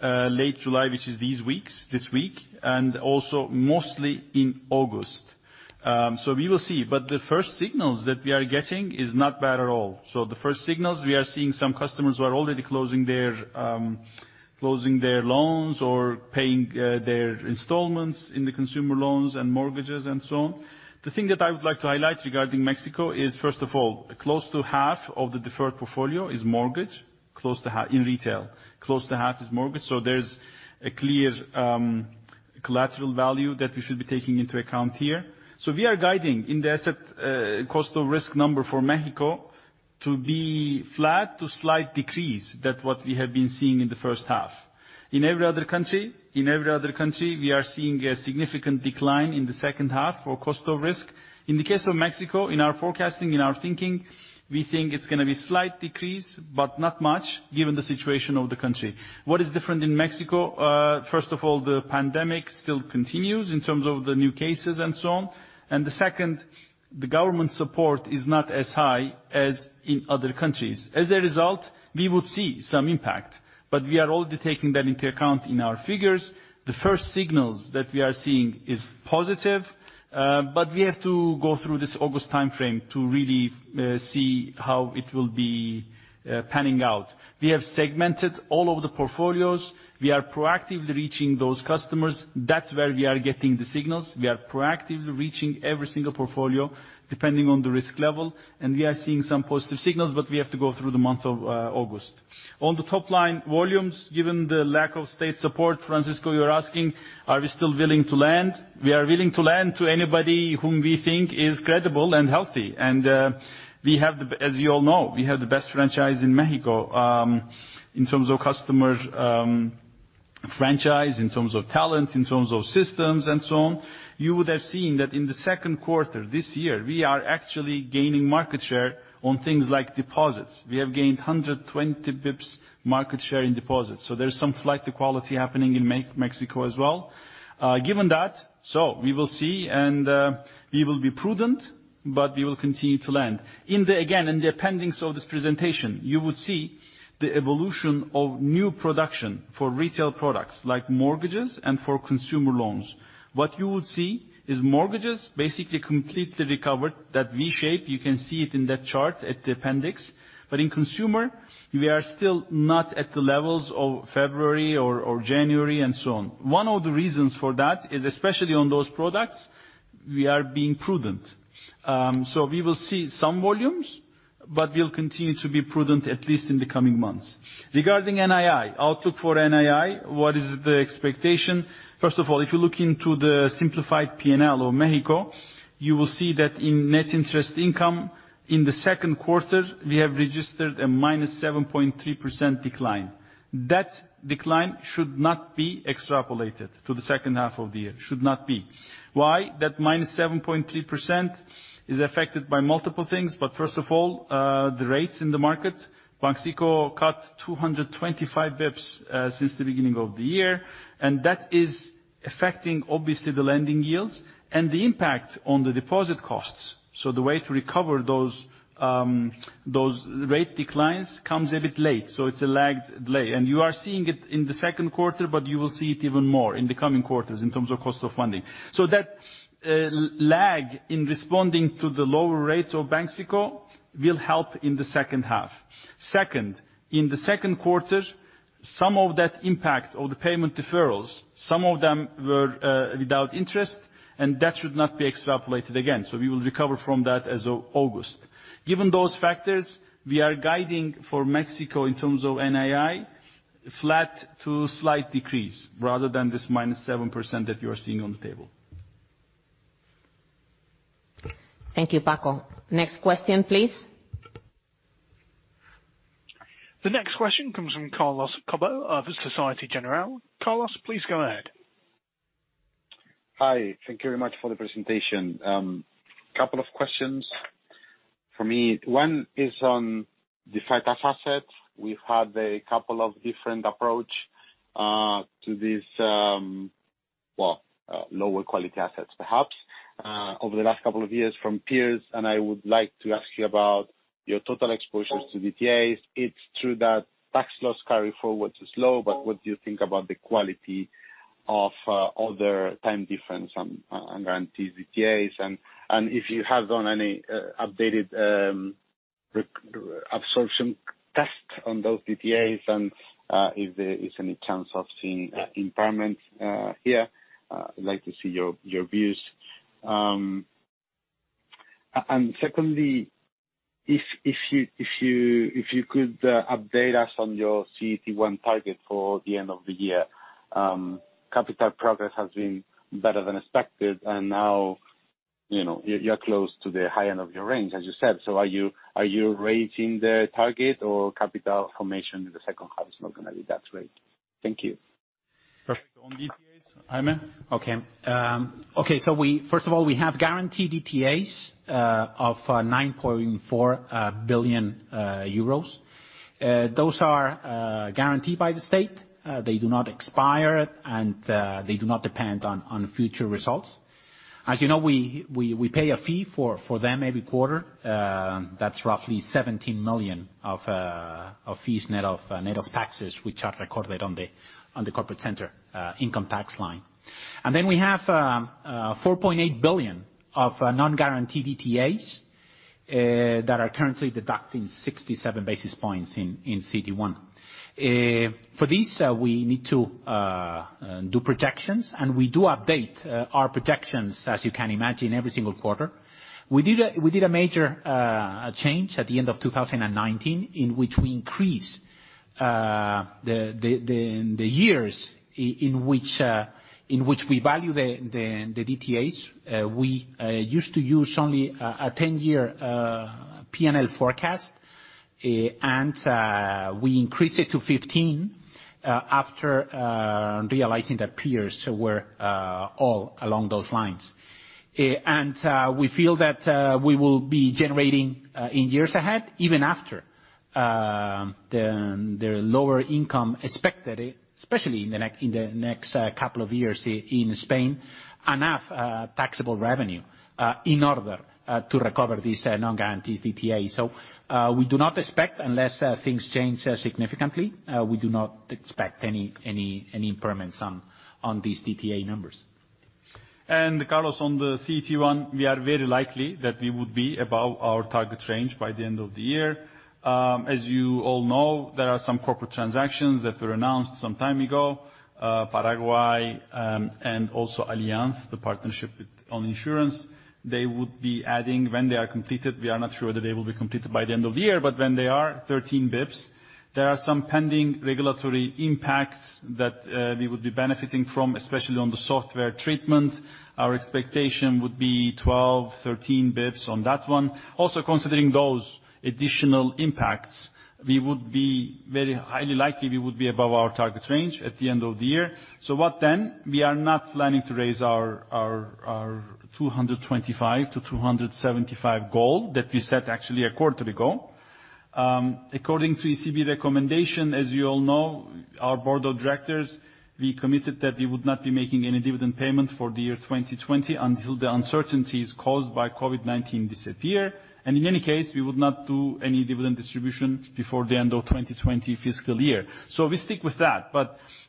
late July, which is this week, and also mostly in August. We will see. The first signals that we are getting is not bad at all. The first signals, we are seeing some customers who are already closing their loans or paying their installments in the consumer loans and mortgages and so on. The thing that I would like to highlight regarding Mexico is, first of all, close to half of the deferred portfolio is mortgage in retail. Close to half is mortgage. There's a clear collateral value that we should be taking into account here. We are guiding in the asset cost of risk number for Mexico to be flat to slight decrease than what we have been seeing in the first half. In every other country, we are seeing a significant decline in the second half for cost of risk. In the case of Mexico, in our forecasting, in our thinking, we think it's going to be slight decrease, but not much given the situation of the country. What is different in Mexico, first of all, the pandemic still continues in terms of the new cases and so on. The second, the government support is not as high as in other countries. As a result, we would see some impact, but we are already taking that into account in our figures. The first signals that we are seeing is positive. We have to go through this August timeframe to really see how it will be panning out. We have segmented all of the portfolios. We are proactively reaching those customers. That's where we are getting the signals. We are proactively reaching every single portfolio, depending on the risk level, and we are seeing some positive signals, but we have to go through the month of August. On the top-line volumes, given the lack of state support, Francisco, you're asking, are we still willing to lend? We are willing to lend to anybody whom we think is credible and healthy. As you all know, we have the best franchise in Mexico, in terms of customer franchise, in terms of talent, in terms of systems and so on. You would have seen that in the second quarter this year, we are actually gaining market share on things like deposits. We have gained 120 basis points market share in deposits. There's some flight to quality happening in Mexico as well. Given that, so we will see and we will be prudent, but we will continue to lend. Again, in the appendix of this presentation, you would see the evolution of new production for retail products like mortgages and for consumer loans. What you would see is mortgages basically completely recovered. That V shape, you can see it in that chart at the appendix. In consumer, we are still not at the levels of February or January and so on. One of the reasons for that is, especially on those products, we are being prudent. We will see some volumes, but we'll continue to be prudent, at least in the coming months. Regarding NII, outlook for NII, what is the expectation? First of all, if you look into the simplified P&L of Mexico, you will see that in net interest income in the second quarter, we have registered a -7.3% decline. That decline should not be extrapolated to the second half of the year. Should not be. Why? That -7.3% is affected by multiple things. First of all, the rates in the market, Banxico cut 225 basis points since the beginning of the year, and that is affecting, obviously, the lending yields and the impact on the deposit costs. The way to recover those rate declines comes a bit late. It's a lag. You are seeing it in the second quarter, but you will see it even more in the coming quarters in terms of cost of funding. That lag in responding to the lower rates of Banxico will help in the second half. Second, some of that impact of the payment deferrals, some of them were without interest, that should not be extrapolated again. We will recover from that as of August. Given those factors, we are guiding for Mexico in terms of NII, flat to slight decrease rather than this -7% that you are seeing on the table. Thank you, Paco. Next question, please. The next question comes from Carlos Cobo of Société Générale. Carlos, please go ahead. Hi. Thank you very much for the presentation. Couple of questions from me. One is on the deferred tax assets. We've had a couple of different approach to these lower quality assets, perhaps, over the last couple of years from peers, and I would like to ask you about your total exposures to DTAs. It's true that tax loss carry-forward is low, but what do you think about the quality of other time difference on guaranteed DTAs, and if you have done any updated absorption test on those DTAs and if there is any chance of seeing impairment here. I'd like to see your views. Secondly, if you could update us on your CET1 target for the end of the year. Capital progress has been better than expected, and now you're close to the high end of your range, as you said. Are you raising the target, or capital formation in the second half is not going to be that great? Thank you. Perfect. On DTAs, Jaime? First of all, we have guaranteed DTAs of 9.4 billion euros. Those are guaranteed by the state. They do not expire, and they do not depend on future results. As you know, we pay a fee for them every quarter. That's roughly 17 million of fees net of taxes, which are recorded on the corporate center income tax line. Then we have 4.8 billion of non-guaranteed DTAs that are currently deducting 67 basis points in CET1. For this, we need to do projections, and we do update our projections, as you can imagine, every single quarter. We did a major change at the end of 2019, in which we increased the years in which we value the DTAs. We used to use only a 10-year P&L forecast, and we increased it to 15 after realizing that peers were all along those lines. We feel that we will be generating, in years ahead, even after the lower income expected, especially in the next couple of years in Spain, enough taxable revenue in order to recover these non-guaranteed DTAs. We do not expect, unless things change significantly, we do not expect any impairment on these DTA numbers. Carlos, on the CET1, we are very likely that we would be above our target range by the end of the year. As you all know, there are some corporate transactions that were announced some time ago. Paraguay, and also Allianz, the partnership on insurance. They would be adding, when they are completed, we are not sure that they will be completed by the end of the year, but when they are, 13 basis points. There are some pending regulatory impacts that we would be benefiting from, especially on the software treatment. Our expectation would be 12, 13 basis points on that one. Considering those additional impacts, we would be very highly likely we would be above our target range at the end of the year. What then? We are not planning to raise our 225 to 275 basis points goal that we set actually a quarter ago. According to ECB recommendation, as you all know, our board of directors, we committed that we would not be making any dividend payment for the year 2020 until the uncertainties caused by COVID-19 disappear. In any case, we would not do any dividend distribution before the end of 2020 fiscal year. We stick with that.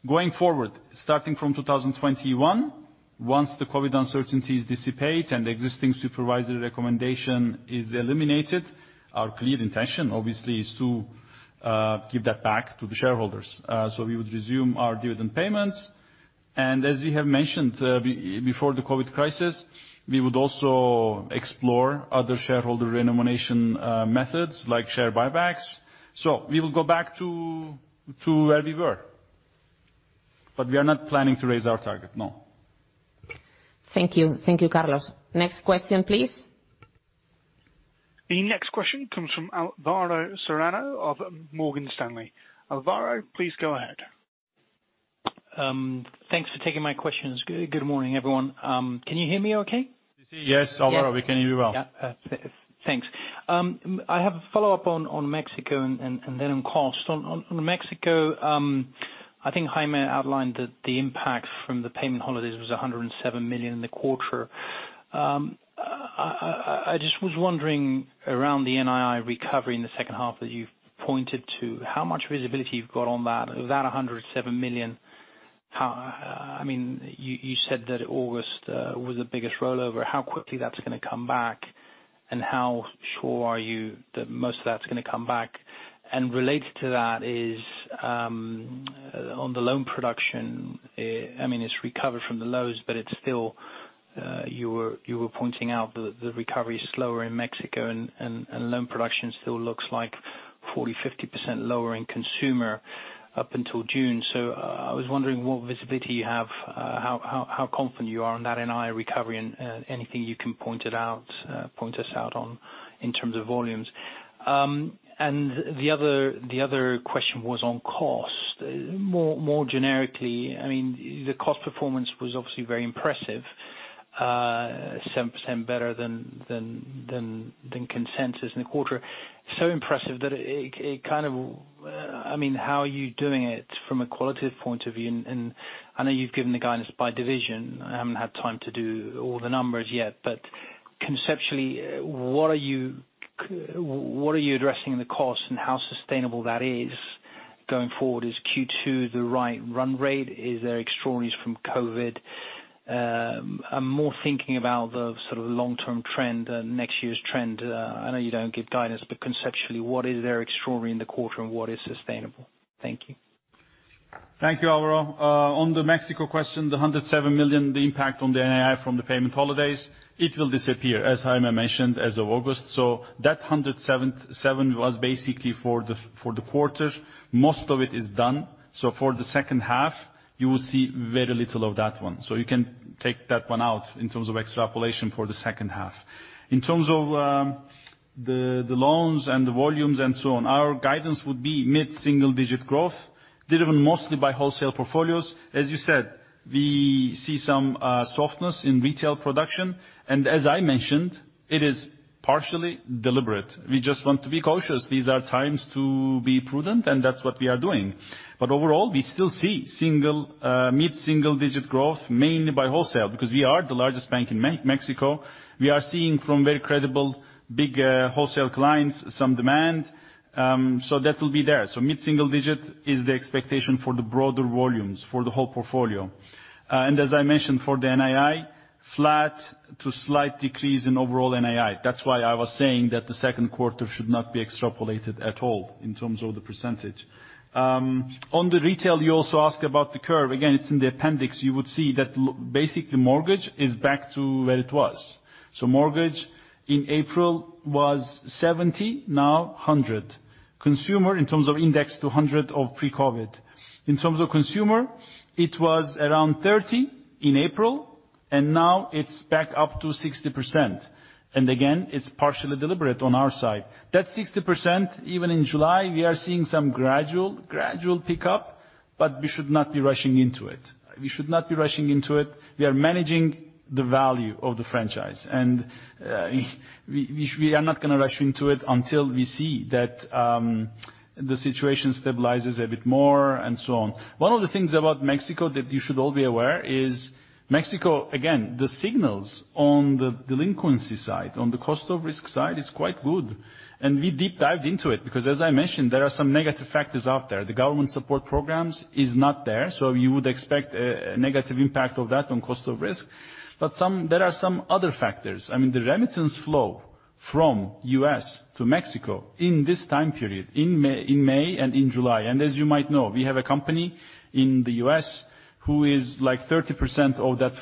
Going forward, starting from 2021, once the COVID uncertainties dissipate and the existing supervisory recommendation is eliminated, our clear intention, obviously, is to give that back to the shareholders. We would resume our dividend payments. As we have mentioned, before the COVID crisis, we would also explore other shareholder remuneration methods like share buybacks. We will go back to where we were. We are not planning to raise our target. No. Thank you. Thank you, Carlos. Next question please. The next question comes from Alvaro Serrano of Morgan Stanley. Alvaro, please go ahead. Thanks for taking my questions. Good morning, everyone. Can you hear me okay? Yes, Alvaro, we can hear you well. Yeah. Thanks. I have a follow-up on Mexico and then on cost. On Mexico, I think Jaime outlined that the impact from the payment holidays was 107 million in the quarter. I just was wondering around the NII recovery in the second half that you've pointed to, how much visibility you've got on that. Is that 107 million. You said that August was the biggest rollover. How quickly that's going to come back, how sure are you that most of that's going to come back? Related to that is, on the loan production, it's recovered from the lows, but you were pointing out the recovery is slower in Mexico and loan production still looks like 40%, 50% lower in consumer up until June. I was wondering what visibility you have, how confident you are on that NII recovery and anything you can point us out on in terms of volumes. The other question was on cost. More generically, the cost performance was obviously very impressive, 7% better than consensus in the quarter. Impressive that, how are you doing it from a qualitative point of view? I know you've given the guidance by division. I haven't had time to do all the numbers yet, but conceptually, what are you addressing in the cost and how sustainable that is going forward? Is Q2 the right run rate? Is there extraordinaries from COVID? I'm more thinking about the long-term trend and next year's trend. I know you don't give guidance, but conceptually, what is there extraordinary in the quarter and what is sustainable? Thank you. Thank you, Alvaro. On the Mexico question, the 107 million, the impact on the NII from the payment holidays, it will disappear, as Jaime mentioned, as of August. That 107 was basically for the quarter. Most of it is done. For the second half, you will see very little of that one. You can take that one out in terms of extrapolation for the second half. In terms of the loans and the volumes and so on, our guidance would be mid-single digit growth, driven mostly by wholesale portfolios. As you said, we see some softness in retail production. As I mentioned, it is partially deliberate. We just want to be cautious. These are times to be prudent, and that's what we are doing. Overall, we still see mid-single digit growth, mainly by wholesale, because we are the largest bank in Mexico. We are seeing from very credible, big wholesale clients some demand. That will be there. Mid-single digit is the expectation for the broader volumes for the whole portfolio. As I mentioned for the NII, flat to slight decrease in overall NII. That's why I was saying that the second quarter should not be extrapolated at all in terms of the percentage. On the retail, you also ask about the curve. Again, it's in the appendix. You would see that basically mortgage is back to where it was. Mortgage in April was 70%, now 100%. Consumer, in terms of index, to 100% of pre-COVID. In terms of consumer, it was around 30% in April, and now it's back up to 60%. Again, it's partially deliberate on our side. That 60%, even in July, we are seeing some gradual pickup, but we should not be rushing into it. We are managing the value of the franchise. We are not going to rush into it until we see that the situation stabilizes a bit more and so on. One of the things about Mexico that you should all be aware is Mexico, again, the signals on the delinquency side, on the cost of risk side is quite good. We deep dived into it because, as I mentioned, there are some negative factors out there. The government support programs is not there, so you would expect a negative impact of that on cost of risk. There are some other factors. The remittance flow from U.S. to Mexico in this time period, in May and in July, and as you might know, we have a company in the U.S. who is 30% of that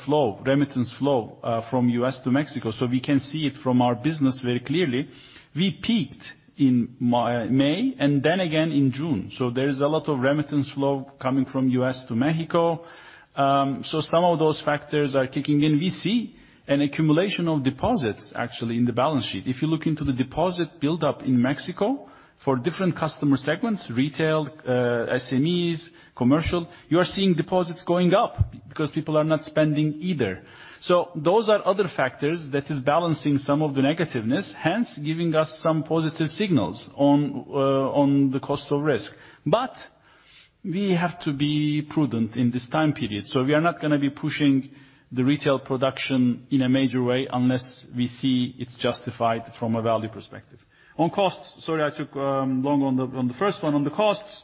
remittance flow from U.S. to Mexico. We can see it from our business very clearly. We peaked in May and then again in June. There is a lot of remittance flow coming from U.S. to Mexico. Some of those factors are kicking in. We see an accumulation of deposits, actually, in the balance sheet. If you look into the deposit buildup in Mexico for different customer segments, retail, SMEs, commercial, you are seeing deposits going up because people are not spending either. Those are other factors that is balancing some of the negativeness, hence giving us some positive signals on the cost of risk. We have to be prudent in this time period. We are not going to be pushing the retail production in a major way unless we see it's justified from a value perspective. On costs, sorry, I took long on the first one. On the costs,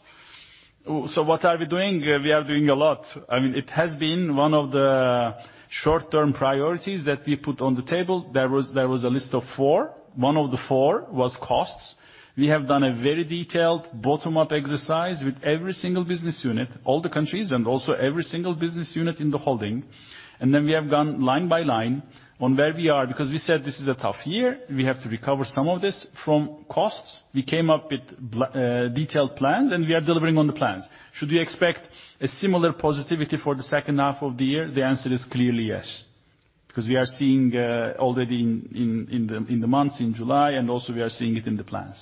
what are we doing? We are doing a lot. It has been one of the short-term priorities that we put on the table. There was a list of four. One of the four was costs. We have done a very detailed bottom-up exercise with every single business unit, all the countries, and also every single business unit in the holding. Then we have gone line by line on where we are, because we said this is a tough year. We have to recover some of this from costs. We came up with detailed plans, and we are delivering on the plans. Should we expect a similar positivity for the second half of the year? The answer is clearly yes, because we are seeing already in the months in July, and also we are seeing it in the plans.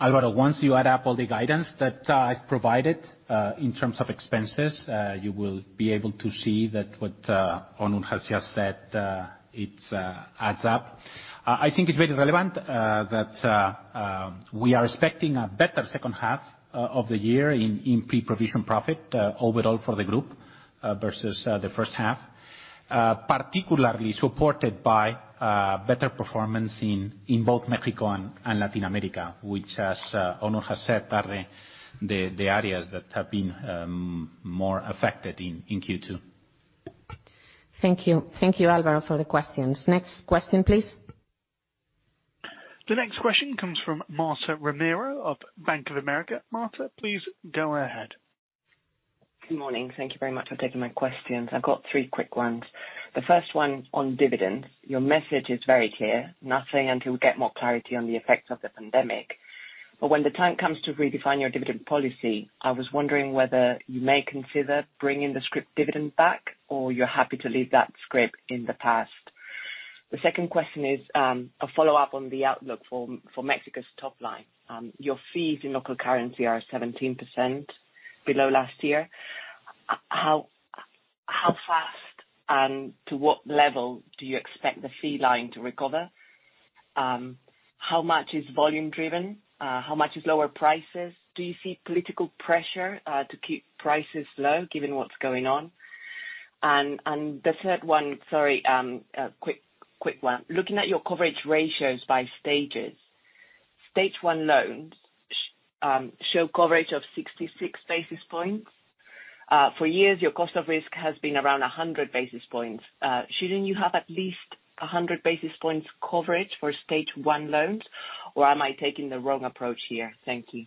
Alvaro, once you add up all the guidance that I've provided in terms of expenses, you will be able to see that what Onur has just said, it adds up. I think it's very relevant that we are expecting a better second half of the year in pre-provision profit overall for the group versus the first half. Particularly supported by better performance in both Mexico and Latin America, which as Onur has said, are the areas that have been more affected in Q2. Thank you. Thank you, Alvaro, for the questions. Next question, please. The next question comes from Marta Romero of Bank of America. Marta, please go ahead. Good morning. Thank you very much for taking my questions. I've got three quick ones. The first one on dividend. Your message is very clear. Nothing until we get more clarity on the effects of the pandemic. When the time comes to redefine your dividend policy, I was wondering whether you may consider bringing the scrip dividend back, or you're happy to leave that scrip in the past. The second question is, a follow-up on the outlook for Mexico's top line. Your fees in local currency are 17% below last year. How fast and to what level do you expect the fee line to recover? How much is volume driven? How much is lower prices? Do you see political pressure to keep prices low given what's going on? The third one, sorry, a quick one. Looking at your coverage ratios by stages, stage 1 loans show coverage of 66 basis points. For years, your cost of risk has been around 100 basis points. Shouldn't you have at least 100 basis points coverage for stage 1 loans? Am I taking the wrong approach here? Thank you.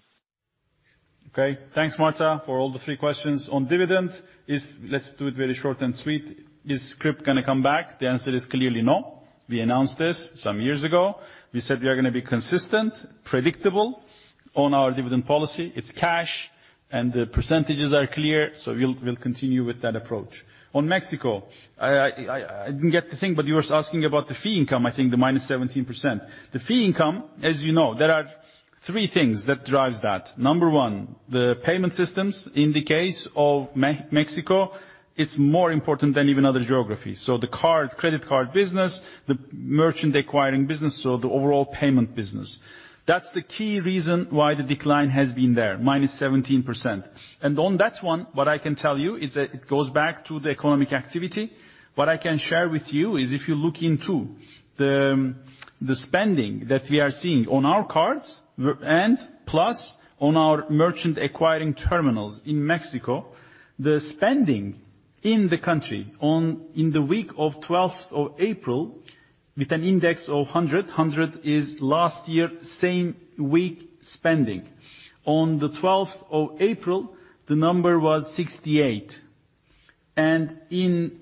Okay. Thanks, Marta, for all the three questions. On dividend, let's do it very short and sweet. Is scrip going to come back? The answer is clearly no. We announced this some years ago. We said we are going to be consistent, predictable on our dividend policy. It's cash, and the percentages are clear, so we'll continue with that approach. On Mexico, I didn't get the thing, but you were asking about the fee income, I think the -17%. The fee income, as you know, there are three things that drives that. Number one, the payment systems in the case of Mexico, it's more important than even other geographies. The credit card business, the merchant acquiring business, so the overall payment business. That's the key reason why the decline has been there, -17%. On that one, what I can tell you is that it goes back to the economic activity. What I can share with you is if you look into the spending that we are seeing on our cards and plus on our merchant acquiring terminals in Mexico, the spending in the country in the week of 12th of April, with an index of 100 is last year same week spending. On the 12th of April, the number was 68%. In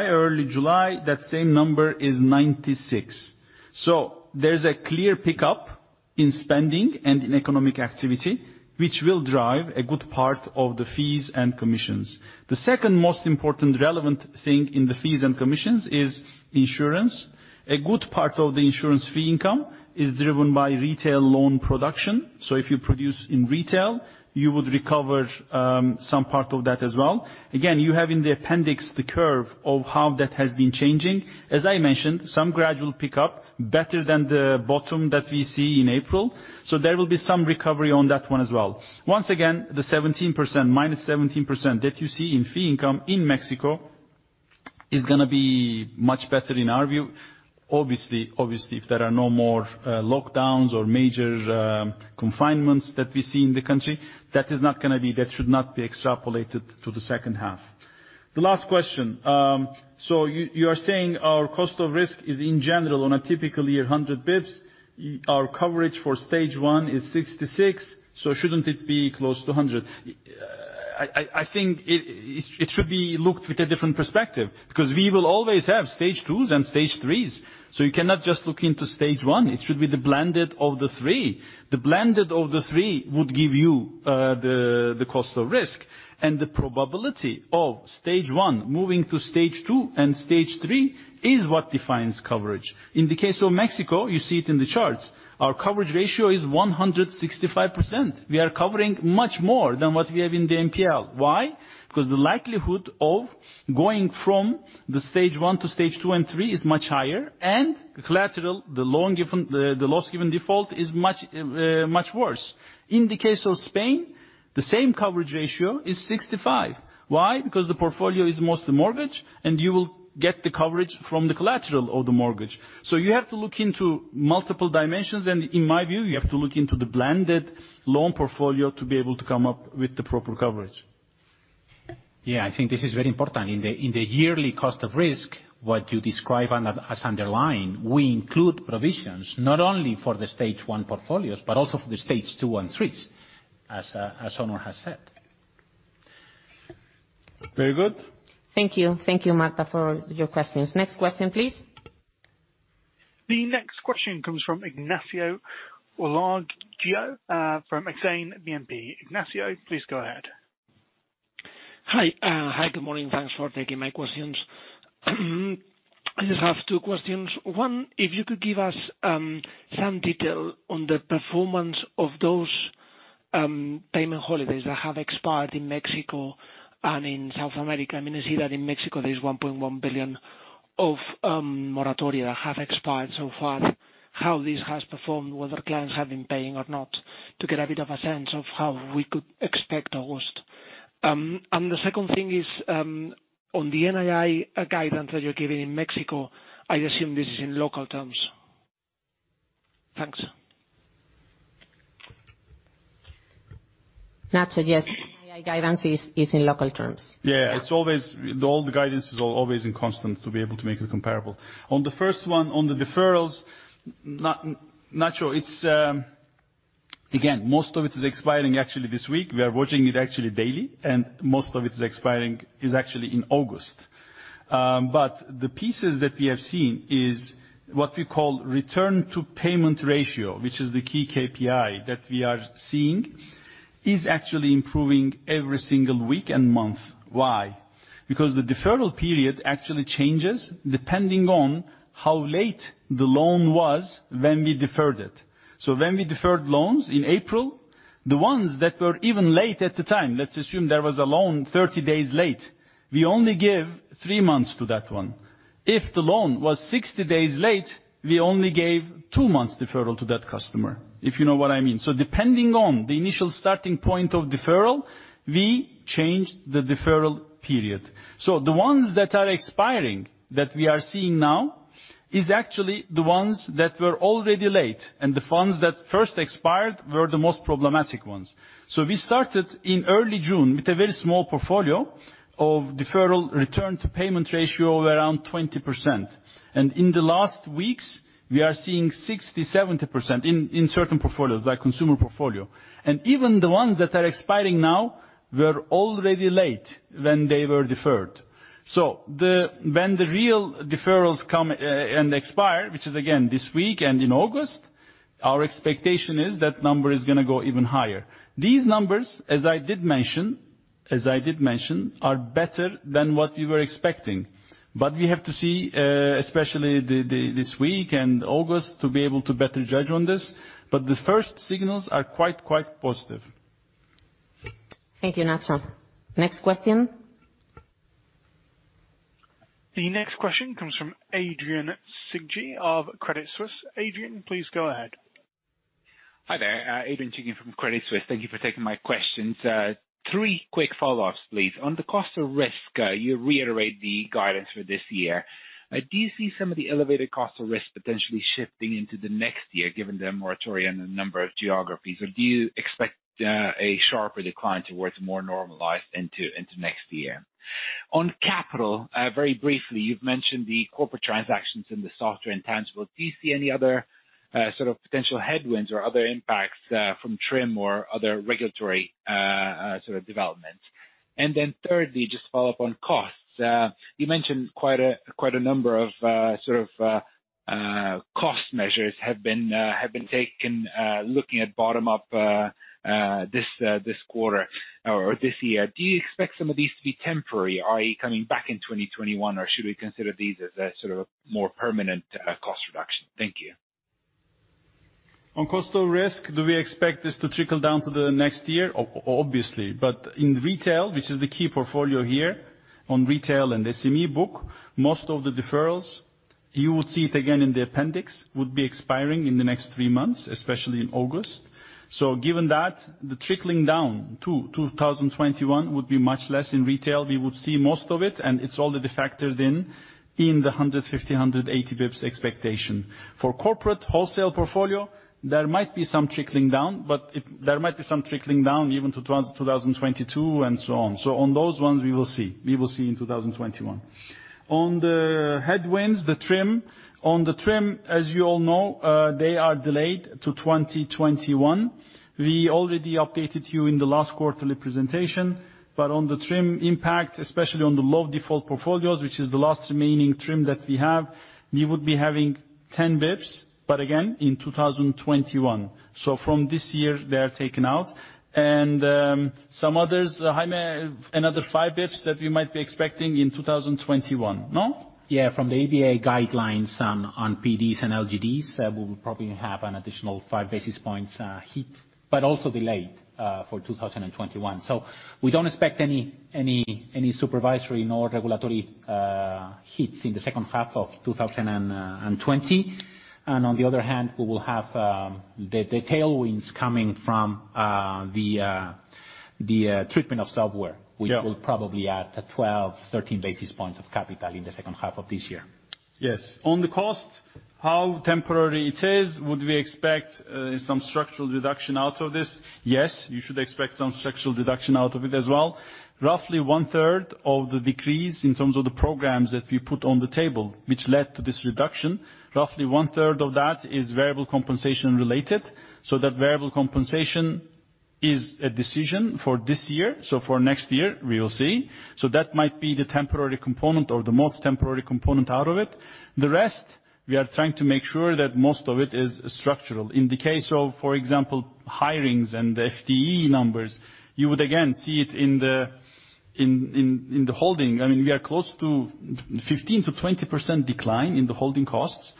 early July, that same number is 96%. There's a clear pickup in spending and in economic activity, which will drive a good part of the fees and commissions. The second most important relevant thing in the fees and commissions is insurance. A good part of the insurance fee income is driven by retail loan production. If you produce in retail, you would recover some part of that as well. Again, you have in the appendix the curve of how that has been changing. As I mentioned, some gradual pickup, better than the bottom that we see in April. There will be some recovery on that one as well. Once again, the -17% that you see in fee income in Mexico is going to be much better in our view. Obviously, if there are no more lockdowns or major confinements that we see in the country, that should not be extrapolated to the second half. The last question. You are saying our cost of risk is in general on a typical year, 100 basis points. Our coverage for stage 1 is 66 basis points; shouldn't it be close to 100 basis points? I think it should be looked with a different perspective, because we will always have stage 2s and stage 3s, so you cannot just look into stage 1. It should be the blended of the three. The blended of the three would give you the cost of risk. The probability of stage 1 moving to stage 2 and stage 3 is what defines coverage. In the case of Mexico, you see it in the charts. Our coverage ratio is 165%. We are covering much more than what we have in the NPL. Why? The likelihood of going from the stage 1 to stage 2 and 3 is much higher, and the collateral, the loss given default is much worse. In the case of Spain, the same coverage ratio is 65%. Why? The portfolio is mostly mortgage, and you will get the coverage from the collateral of the mortgage. You have to look into multiple dimensions, and in my view, you have to look into the blended loan portfolio to be able to come up with the proper coverage. Yeah, I think this is very important. In the yearly cost of risk, what you describe as underlying, we include provisions not only for the stage 1 portfolios, but also for the stage 2 and 3s, as Onur has said. Very good. Thank you. Thank you, Marta, for your questions. Next question, please. The next question comes from Ignacio Ulargui from Exane BNP. Ignacio, please go ahead. Hi. Good morning. Thanks for taking my questions. I just have two questions. One, if you could give us some detail on the performance of those payment holidays that have expired in Mexico and in South America. I see that in Mexico, there's 1.1 billion of moratoria that have expired so far. How this has performed, whether clients have been paying or not, to get a bit of a sense of how we could expect August. The second thing is on the NII guidance that you're giving in Mexico, I assume this is in local terms. Thanks. Nacho, yes. NII guidance is in local terms. Yeah. All the guidance is always in constant to be able to make it comparable. On the first one, on the deferrals, Nacho. Again, most of it is expiring actually this week. We are watching it actually daily, and most of it is expiring actually in August. The pieces that we have seen is what we call return to payment ratio, which is the key KPI that we are seeing, is actually improving every single week and month. Why? The deferral period actually changes depending on how late the loan was when we deferred it. When we deferred loans in April, the ones that were even late at the time, let's assume there was a loan 30 days late, we only give three months to that one. If the loan was 60 days late, we only gave two months deferral to that customer, if you know what I mean. Depending on the initial starting point of deferral, we changed the deferral period. The ones that are expiring, that we are seeing now, is actually the ones that were already late, and the ones that first expired were the most problematic ones. We started in early June with a very small portfolio of deferral return to payment ratio of around 20%. In the last weeks, we are seeing 60%, 70% in certain portfolios, like consumer portfolio. Even the ones that are expiring now were already late when they were deferred. When the real deferrals come and expire, which is again this week and in August, our expectation is that number is going to go even higher. These numbers, as I did mention, are better than what we were expecting. We have to see, especially this week and August, to be able to better judge on this. The first signals are quite positive. Thank you, Nacho. Next question? The next question comes from Adrian Cighi of Credit Suisse. Adrian, please go ahead. Hi there. Adrian Cighi from Credit Suisse. Thank you for taking my questions. Three quick follow-ups, please. On the cost of risk, you reiterate the guidance for this year. Do you see some of the elevated cost of risk potentially shifting into the next year, given the moratorium and the number of geographies, or do you expect a sharper decline towards more normalized into next year? On capital, very briefly, you've mentioned the corporate transactions in the software intangible. Do you see any other sort of potential headwinds or other impacts from TRIM or other regulatory sort of developments? Thirdly, just follow up on costs. You mentioned quite a number of sort of cost measures have been taken looking at bottom up this quarter or this year. Do you expect some of these to be temporary, i.e., coming back in 2021, or should we consider these as a sort of more permanent cost reduction? Thank you. On cost of risk, do we expect this to trickle down to the next year? Obviously. In retail, which is the key portfolio here, on retail and SME book, most of the deferrals, you will see it again in the appendix, would be expiring in the next three months, especially in August. Given that, the trickling down to 2021 would be much less in retail. We would see most of it, and it's already factored in in the 150, 180 basis points expectation. For corporate wholesale portfolio, there might be some trickling down. There might be some trickling down even to 2022 and so on. On those ones, we will see. We will see in 2021. On the headwinds, the TRIM. On the TRIM, as you all know, they are delayed to 2021. We already updated you in the last quarterly presentation. On the TRIM impact, especially on the low default portfolios, which is the last remaining TRIM that we have, we would be having 10 basis points, but again, in 2021. From this year, they are taken out. Some others, Jaime, another 5 basis points that we might be expecting in 2021, no? Yeah. From the EBA guidelines on PDs and LGDs, we will probably have an additional 5 basis points hit, also delayed for 2021. We don't expect any supervisory nor regulatory hits in the second half of 2020. On the other hand, we will have the tailwinds coming from the TRIM treatment of software, which will probably add to 12, 13 basis points of capital in the second half of this year. On the cost, how temporary it is, would we expect some structural reduction out of this? You should expect some structural reduction out of it as well. Roughly one-third of the decrease in terms of the programs that we put on the table, which led to this reduction, roughly 1/3 of that is variable compensation related. That variable compensation is a decision for this year. For next year, we will see. That might be the temporary component or the most temporary component out of it. The rest, we are trying to make sure that most of it is structural. In the case of, for example, hirings and the FTE numbers, you would again see it in the holding. I mean, we are close to 15%-20% decline in the holding costs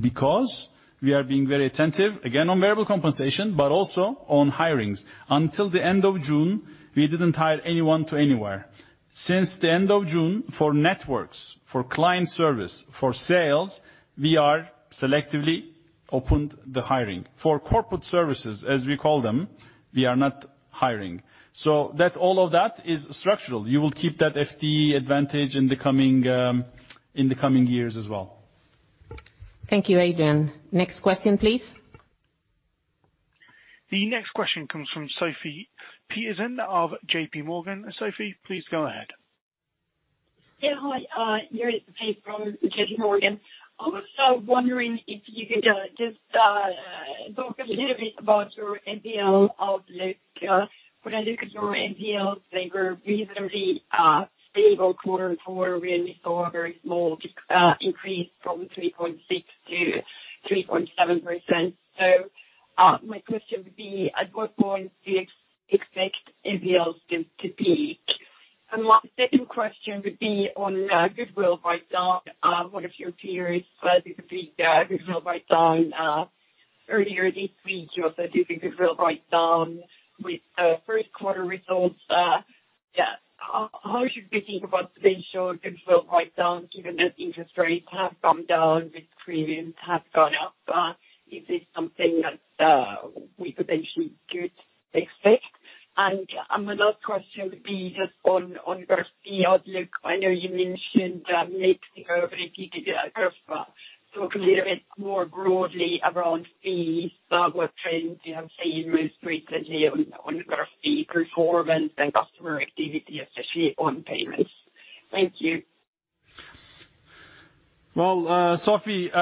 because we are being very attentive, again, on variable compensation, but also on hirings. Until the end of June, we didn't hire anyone to anywhere. Since the end of June, for networks, for client service, for sales, we are selectively opened the hiring. For corporate services, as we call them, we are not hiring. All of that is structural. You will keep that FTE advantage in the coming years as well. Thank you, Adrian. Next question, please. The next question comes from Sofie Peterzens of JPMorgan. Sofie, please go ahead. Hi, Sofie Peterzens from JPMorgan. I was wondering if you could just talk a little bit about your NPL outlook. When I look at your NPLs, they were reasonably stable quarter-on-quarter. We only saw a very small increase from 3.6% to 3.7%. My question would be, at what point do you expect NPLs to peak? My second question would be on goodwill write-down. One of your peers did a big goodwill write-down earlier this week. You also did a goodwill write-down with first quarter results. How should we think about potential goodwill write-downs given that interest rates have come down, risk premiums have gone up? Is this something that we potentially could expect? My last question would be just on your fee outlook. I know you mentioned mixing over it. Could you talk a little bit more broadly around fees, what trends you have seen most recently on your fee performance and customer activity, especially on payments? Thank you. Well, Sofie,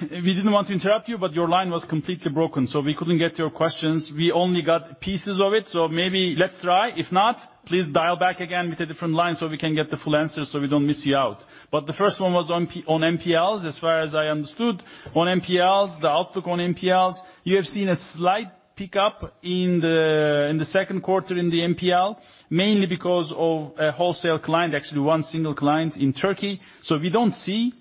we didn't want to interrupt you, but your line was completely broken, so we couldn't get your questions. We only got pieces of it. Maybe let's try. If not, please dial back again with a different line so we can get the full answer so we don't miss you out. The first one was on NPLs, as far as I understood. On NPLs, the outlook on NPLs, you have seen a slight pickup in the second quarter in the NPL, mainly because of a wholesale client, actually one single client in Turkey. We don't see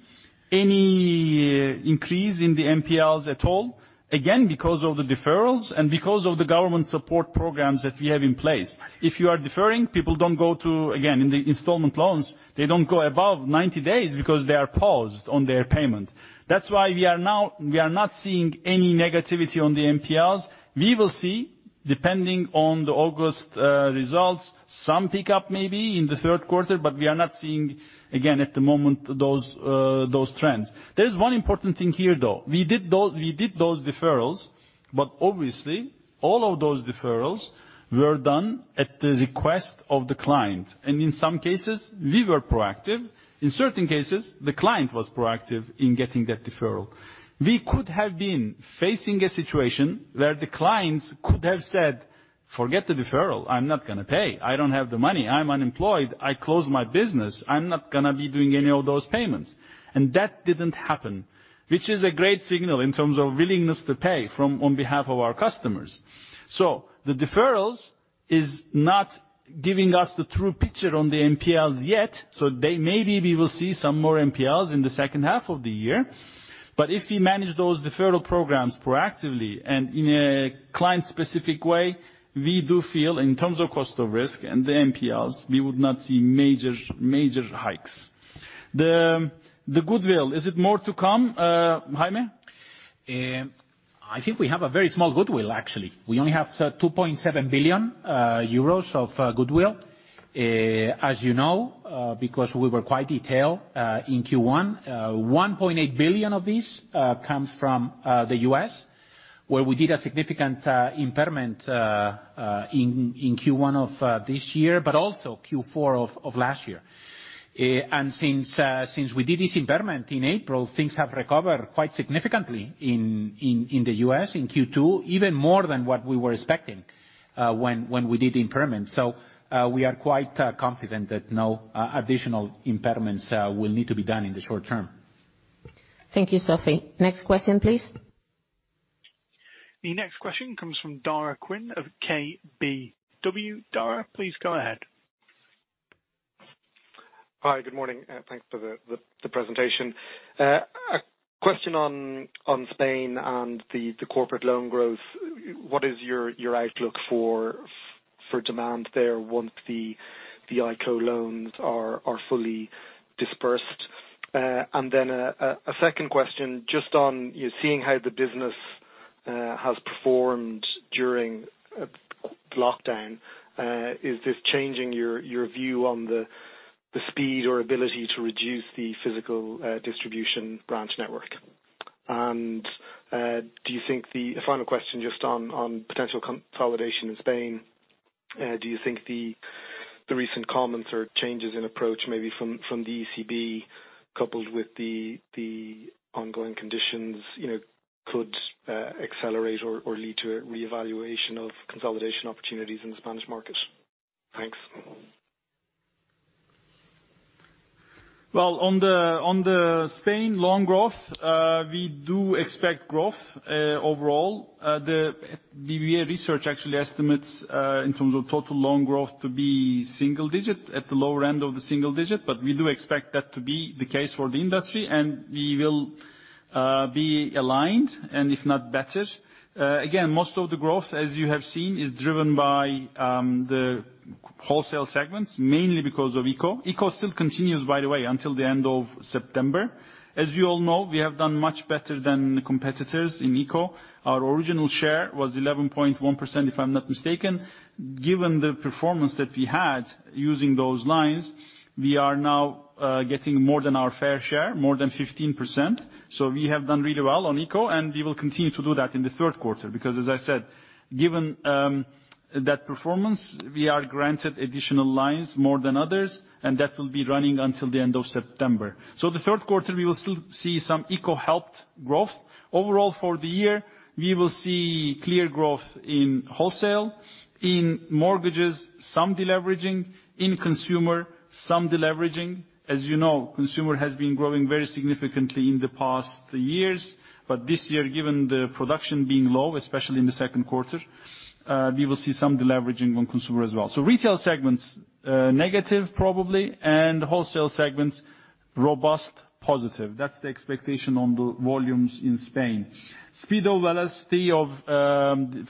any increase in the NPLs at all, again, because of the deferrals and because of the government support programs that we have in place. If you are deferring, people don't go to, again, in the installment loans, they don't go above 90 days because they are paused on their payment. That's why we are not seeing any negativity on the NPLs. We will see, depending on the August results, some pickup maybe in the third quarter, we are not seeing, again, at the moment, those trends. There's one important thing here, though. We did those deferrals, obviously all of those deferrals were done at the request of the client. In some cases, we were proactive. In certain cases, the client was proactive in getting that deferral. We could have been facing a situation where the clients could have said, "Forget the deferral, I'm not going to pay. I don't have the money. I'm unemployed. I closed my business. I'm not going to be doing any of those payments." That didn't happen, which is a great signal in terms of willingness to pay on behalf of our customers. The deferrals is not giving us the true picture on the NPLs yet. Maybe we will see some more NPLs in the second half of the year. If we manage those deferral programs proactively and in a client-specific way, we do feel in terms of cost of risk and the NPLs, we would not see major hikes. The goodwill, is it more to come, Jaime? I think we have a very small goodwill, actually. We only have 2.7 billion euros of goodwill. As you know, because we were quite detailed in Q1, 1.8 billion of this comes from the U.S., where we did a significant impairment in Q1 of this year, but also Q4 of last year. Since we did this impairment in April, things have recovered quite significantly in the U.S. in Q2, even more than what we were expecting when we did the impairment. We are quite confident that no additional impairments will need to be done in the short term. Thank you, Sofie. Next question, please. The next question comes from Daragh Quinn of KBW. Daragh, please go ahead. Hi, good morning. Thanks for the presentation. A question on Spain and the corporate loan growth. What is your outlook for demand there once the ICO loans are fully dispersed? A second question, just on seeing how the business has performed during lockdown, is this changing your view on the speed or ability to reduce the physical distribution branch network? A final question just on potential consolidation in Spain. Do you think the recent comments or changes in approach, maybe from the ECB, coupled with the ongoing conditions could accelerate or lead to a reevaluation of consolidation opportunities in the Spanish market? Thanks. Well, on the Spain loan growth, we do expect growth overall. The BBVA Research actually estimates in terms of total loan growth to be single digit, at the lower end of the single digit. We do expect that to be the case for the industry, and we will be aligned and if not better. Again, most of the growth, as you have seen, is driven by the wholesale segments, mainly because of ICO. ICO still continues, by the way, until the end of September. As you all know, we have done much better than the competitors in ICO. Our original share was 11.1%, if I'm not mistaken. Given the performance that we had using those lines, we are now getting more than our fair share, more than 15%. We have done really well on ICO, and we will continue to do that in the third quarter, because as I said, given that performance, we are granted additional lines more than others, and that will be running until the end of September. The third quarter, we will still see some ICO-helped growth. Overall, for the year, we will see clear growth in wholesale, in mortgages, some de-leveraging, in consumer, some de-leveraging. As you know, consumer has been growing very significantly in the past years. This year, given the production being low, especially in the second quarter, we will see some de-leveraging on consumer as well. Retail segments, negative probably, and wholesale segments, robust positive. That's the expectation on the volumes in Spain. Speed or velocity of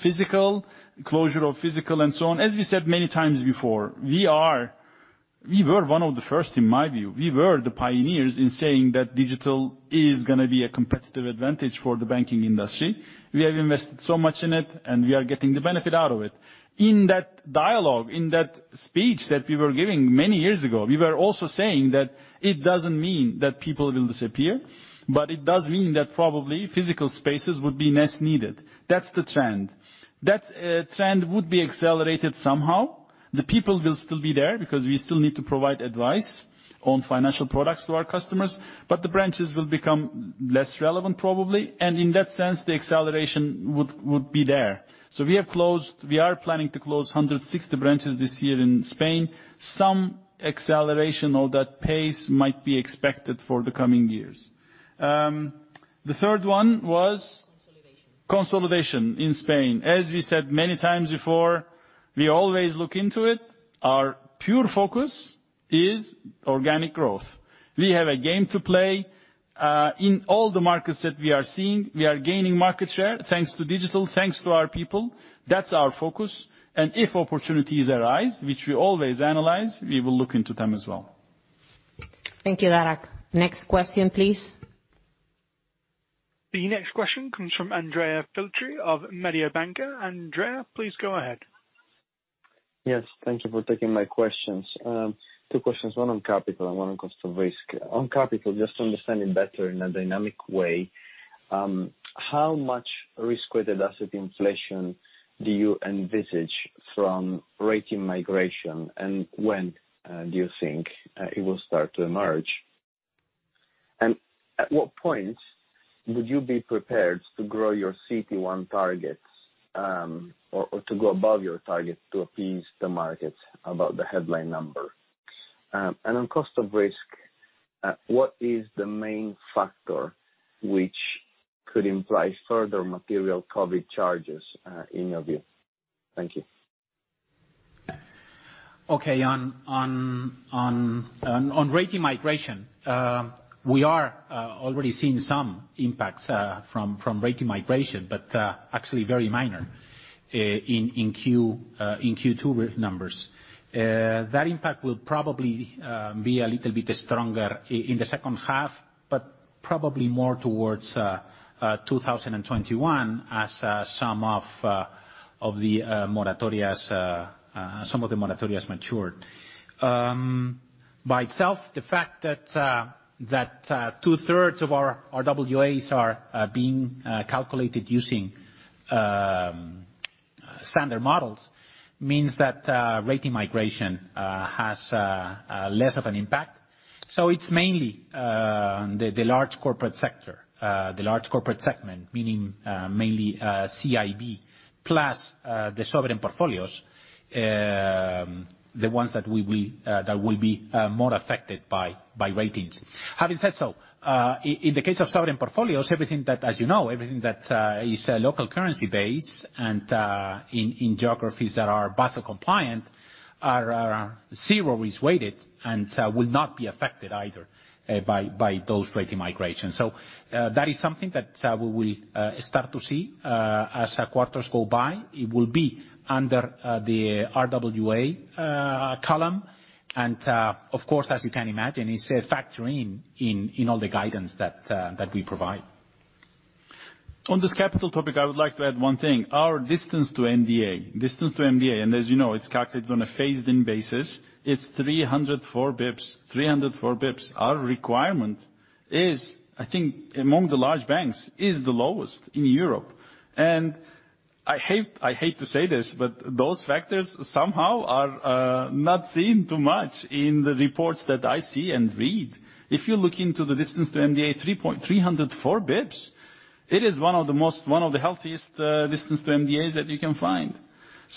physical, closure of physical and so on, as we said many times before, we were one of the first, in my view. We were the pioneers in saying that digital is going to be a competitive advantage for the banking industry. We have invested so much in it, and we are getting the benefit out of it. In that dialogue, in that speech that we were giving many years ago, we were also saying that it doesn't mean that people will disappear, but it does mean that probably physical spaces would be less needed. That's the trend. That trend would be accelerated somehow. The people will still be there because we still need to provide advice on financial products to our customers, but the branches will become less relevant probably. In that sense, the acceleration would be there. We are planning to close 160 branches this year in Spain. Some acceleration of that pace might be expected for the coming years. The third one was consolidation in Spain. As we said many times before, we always look into it. Our pure focus is organic growth. We have a game to play. In all the markets that we are seeing, we are gaining market share, thanks to digital, thanks to our people. That's our focus. If opportunities arise, which we always analyze, we will look into them as well. Thank you, Daragh. Next question, please. The next question comes from Andrea Filtri of Mediobanca. Andrea, please go ahead. Yes, thank you for taking my questions. Two questions, one on capital and one on cost of risk. On capital, just to understand it better in a dynamic way, how much risk-weighted asset inflation do you envisage from rating migration? When do you think it will start to emerge? At what point would you be prepared to grow your CET1 targets, or to go above your target to appease the market about the headline number? On cost of risk, what is the main factor which could imply further material COVID-19 charges in your view? Thank you. Okay. On rating migration, we are already seeing some impacts from rating migration, but actually very minor in Q2 numbers. That impact will probably be a little bit stronger in the second half, but probably more towards 2021 as some of the moratorias matured. By itself, the fact that two-thirds of our RWAs are being calculated using standard models means that rating migration has less of an impact. It's mainly the large corporate sector, the large corporate segment, meaning mainly CIB plus the sovereign portfolios, the ones that will be more affected by ratings. Having said so, in the case of sovereign portfolios, as you know, everything that is local currency based and in geographies that are Basel compliant are zero risk-weighted and will not be affected either by those rating migrations. That is something that we will start to see as quarters go by. It will be under the RWA column. Of course, as you can imagine, it's a factor in all the guidance that we provide. On this capital topic, I would like to add one thing. Our distance to MDA, and as you know, it's calculated on a phased-in basis. It's 304 basis points. Our requirement is, I think, among the large banks, is the lowest in Europe. I hate to say this, those factors somehow are not seen too much in the reports that I see and read. If you look into the distance to MDA, 304 basis points, it is one of the healthiest distance to MDAs that you can find.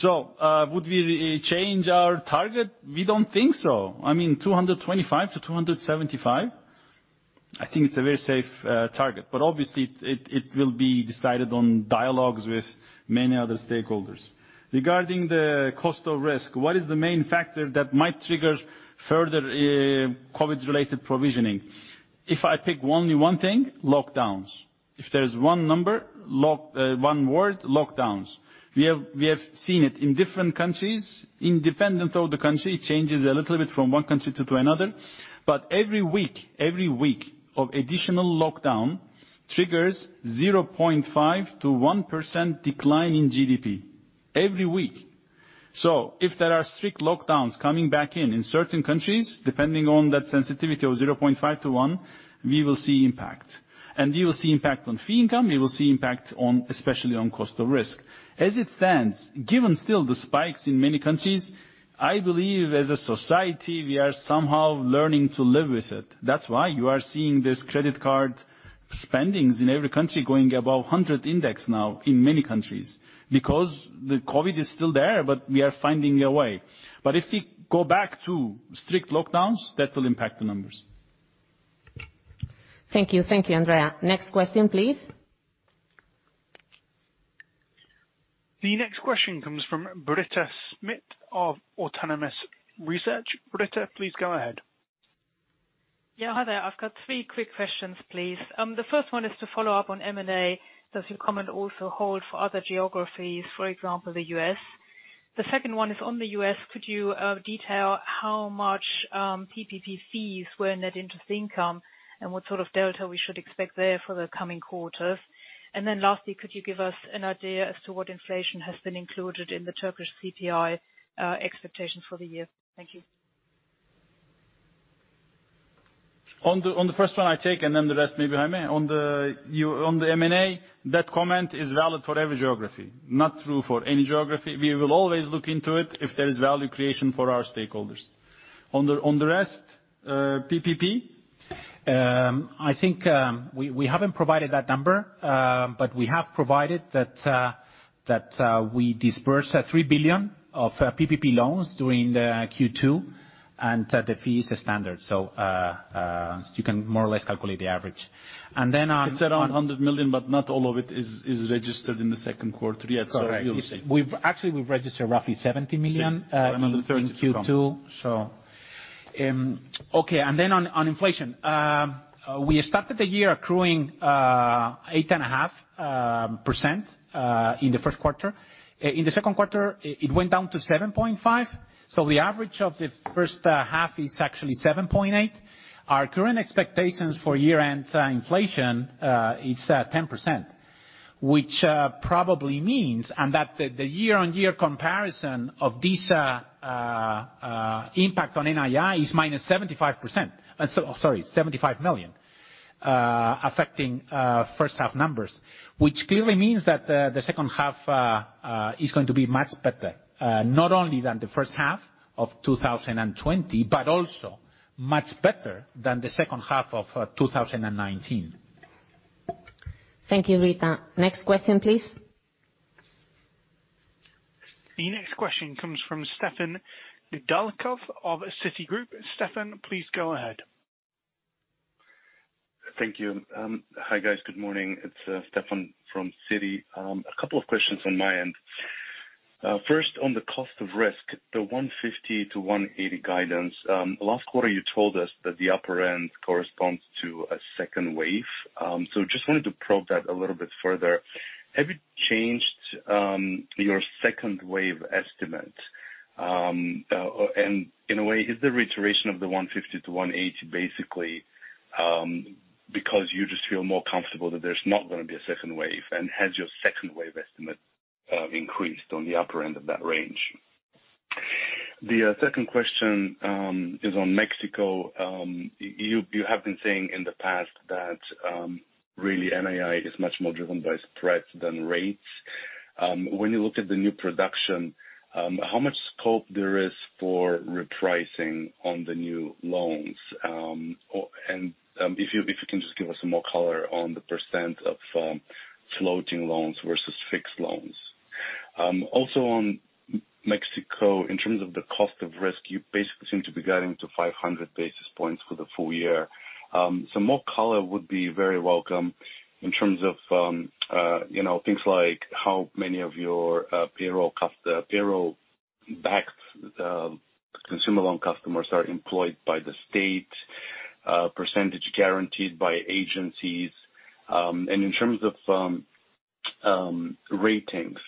Would we change our target? We don't think so. I mean, 225 basis points-275 basis points, I think it's a very safe target. Obviously, it will be decided on dialogues with many other stakeholders. Regarding the cost of risk, what is the main factor that might trigger further COVID-related provisioning? If I pick only one thing, lockdowns. If there's one word, lockdowns. We have seen it in different countries. Independent of the country, it changes a little bit from one country to another. Every week of additional lockdown triggers 0.5%-1% decline in GDP. Every week. If there are strict lockdowns coming back in certain countries, depending on that sensitivity of 0.5%-1%, we will see impact. We will see impact on fee income; we will see impact especially on cost of risk. As it stands, given still the spikes in many countries, I believe as a society, we are somehow learning to live with it. That's why you are seeing these credit card spendings in every country going above 100 index now in many countries. Because the COVID is still there, but we are finding a way. If we go back to strict lockdowns, that will impact the numbers. Thank you, Andrea. Next question, please. The next question comes from Britta Schmidt of Autonomous Research. Britta, please go ahead. Yeah. Hi there. I've got three quick questions, please. The first one is to follow up on M&A. Does your comment also hold for other geographies, for example, the U.S.? The second one is on the U.S. Could you detail how much EUR PPP fees were net interest income and what sort of delta we should expect there for the coming quarters? Lastly, could you give us an idea as to what inflation has been included in the Turkish CPI expectation for the year? Thank you. On the first one I take, the rest maybe Jaime. On the M&A, that comment is valid for every geography, not true for any geography. We will always look into it if there is value creation for our stakeholders. On the rest, PPP? I think, we haven't provided that number, but we have provided that we disbursed 3 billion of PPP loans during the Q2, the fee is standard. You can more or less calculate the average. It's around 100 million, not all of it is registered in the second quarter yet. Correct. You'll see. Actually, we've registered roughly 70 million in Q2. Okay. On inflation. We started the year accruing, 8.5% in the first quarter. In the second quarter, it went down to 7.5%. The average of the first half is actually 7.8%. Our current expectations for year-end inflation is 10%, which probably means that the year-on-year comparison of this impact on NII is -75%—sorry, EUR 75 million, affecting first half numbers. Clearly means that the second half is going to be much better, not only than the first half of 2020, but also much better than the second half of 2019. Thank you, Britta. Next question, please. The next question comes from Stefan Nedialkov of Citigroup. Stefan, please go ahead. Thank you. Hi, guys. Good morning. It's Stefan from Citi. A couple of questions on my end. First on the cost of risk, the 150 basis points to 180 basis points guidance. Last quarter you told us that the upper end corresponds to a second wave. Just wanted to probe that a little bit further. Have you changed your second wave estimate? In a way, is the reiteration of the 150 basis points to 180 basis points basically, because you just feel more comfortable that there's not going to be a second wave, and has your second wave estimate increased on the upper end of that range? The second question is on Mexico. You have been saying in the past that really NII is much more driven by spreads than rates. When you look at the new production, how much scope there is for repricing on the new loans? If you can just give us some more color on the percent of floating loans versus fixed loans. On Mexico, in terms of the cost of risk, you basically seem to be guiding to 500 basis points for the full year. Some more color would be very welcome in terms of things like how many of your payroll-backed consumer loan customers are employed by the state, percentage guaranteed by agencies. In terms of ratings,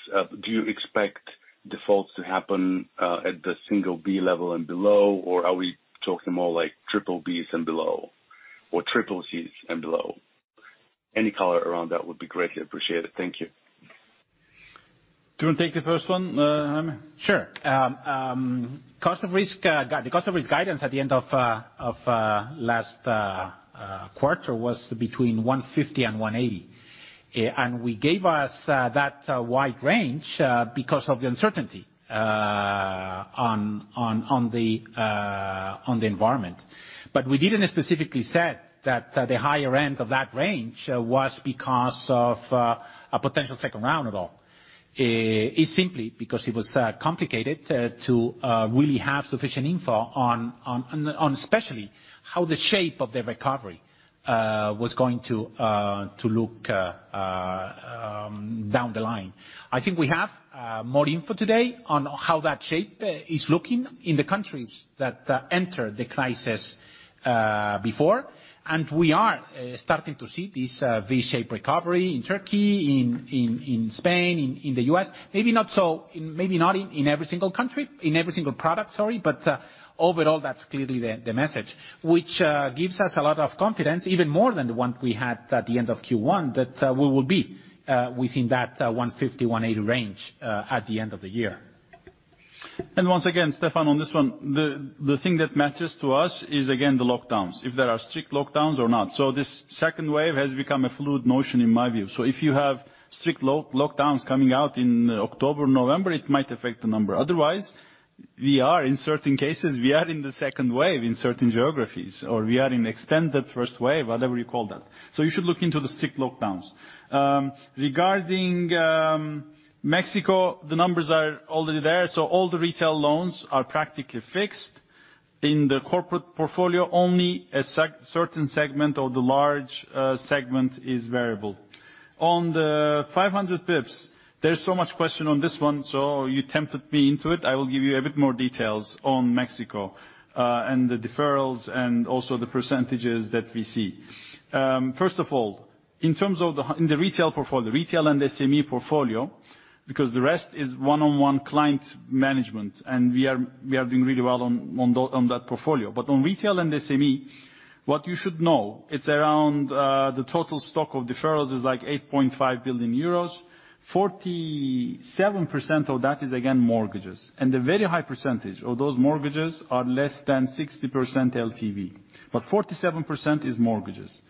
do you expect defaults to happen at the single B level and below, or are we talking more like triple Bs and below or triple Cs and below? Any color around that would be greatly appreciated. Thank you. Do you want to take the first one, Jaime? Sure. The cost of risk guidance at the end of last quarter was between 150 basis points and 180 basis points. We gave us that wide range because of the uncertainty on the environment. We didn't specifically said that the higher end of that range was because of a potential second round at all. It's simply because it was complicated to really have sufficient info on especially how the shape of the recovery was going to look down the line. I think we have more info today on how that shape is looking in the countries that entered the crisis before. We are starting to see this V-shaped recovery in Turkey, in Spain, in the U.S. Maybe not in every single country, in every single product, sorry, but overall, that's clearly the message. Which gives us a lot of confidence, even more than the one we had at the end of Q1, that we will be within that 150-180 range at the end of the year. Once again, Stefan, on this one, the thing that matters to us is, again, the lockdowns. This second wave has become a fluid notion in my view. If you have strict lockdowns coming out in October, November, it might affect the number. Otherwise, in certain cases, we are in the second wave in certain geographies, or we are in extended first wave, whatever you call that. You should look into the strict lockdowns. Regarding Mexico, the numbers are already there, so all the retail loans are practically fixed. In the corporate portfolio, only a certain segment of the large segment is variable. On the 500 basis points, there's so much question on this one, so you tempted me into it. I will give you a bit more details on Mexico, and the deferrals, and also the percentages that we see. First of all, in the retail portfolio, retail and SME portfolio, because the rest is one-on-one client management, and we are doing really well on that portfolio. On retail and SME, what you should know, it's around the total stock of deferrals is like 8.5 billion euros. 47% of that is, again, mortgages. A very high percentage of those mortgages are less than 60% LTV. 47% is mortgages.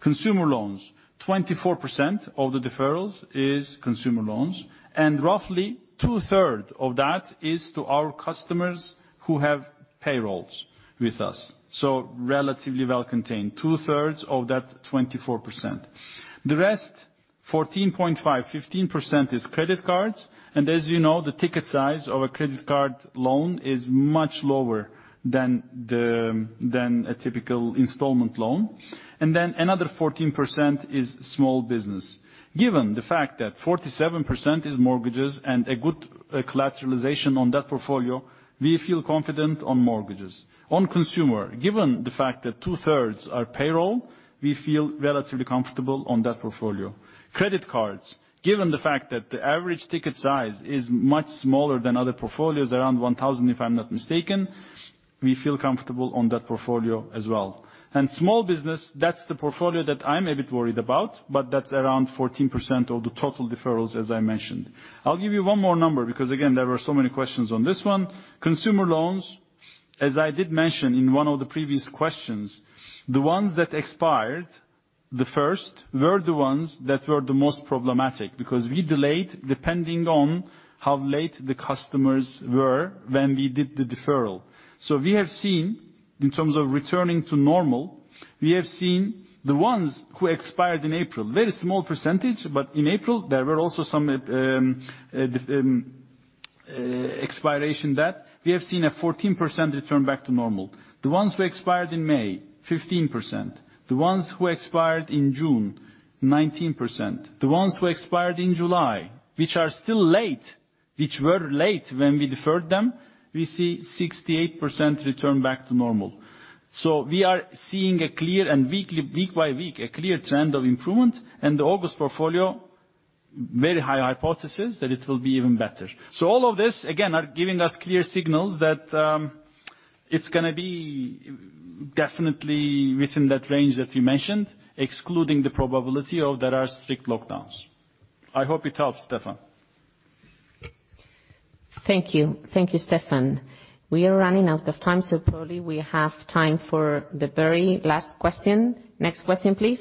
Consumer loans, 24% of the deferrals is consumer loans, and roughly 2/3 of that is to our customers who have payrolls with us. Relatively well contained. 2/3 of that 24%. The rest, 14.5%, 15% is credit cards, and as you know, the ticket size of a credit card loan is much lower than a typical installment loan. Another 14% is small business. Given the fact that 47% is mortgages and a good collateralization on that portfolio, we feel confident on mortgages. On consumer, given the fact that 2/3s are payroll, we feel relatively comfortable on that portfolio. Credit cards, given the fact that the average ticket size is much smaller than other portfolios, around 1,000 if I'm not mistaken, we feel comfortable on that portfolio as well. Small business, that's the portfolio that I'm a bit worried about, but that's around 14% of the total deferrals, as I mentioned. I'll give you one more number, because again, there were so many questions on this one. Consumer loans, as I did mention in one of the previous questions, the ones that expired, the first, were the ones that were the most problematic, because we delayed depending on how late the customers were when we did the deferral. We have seen, in terms of returning to normal, we have seen the ones who expired in April, very small percentage, but in April, there were also some expiration that we have seen a 14% return back to normal. The ones who expired in May, 15%. The ones who expired in June, 19%. The ones who expired in July, which are still late, which were late when we deferred them, we see 68% return back to normal. We are seeing, week by week, a clear trend of improvement, and the August portfolio, very high hypothesis that it will be even better. All of this, again, are giving us clear signals that it's going to be definitely within that range that we mentioned, excluding the probability of there are strict lockdowns. I hope it helps, Stefan. Thank you. Thank you, Stefan. We are running out of time. Probably we have time for the very last question. Next question please.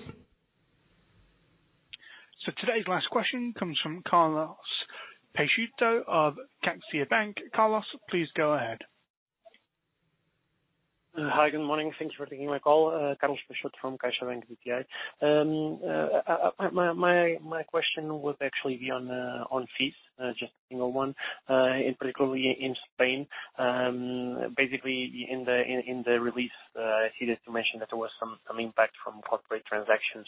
Today's last question comes from Carlos Peixoto of CaixaBank. Carlos, please go ahead. Hi, good morning. Thanks for taking my call. Carlos Peixoto from CaixaBank BPI. My question would actually be on fees, just a single one. In particularly in Spain. Basically, in the release, I see that you mentioned that there was some impact from corporate transactions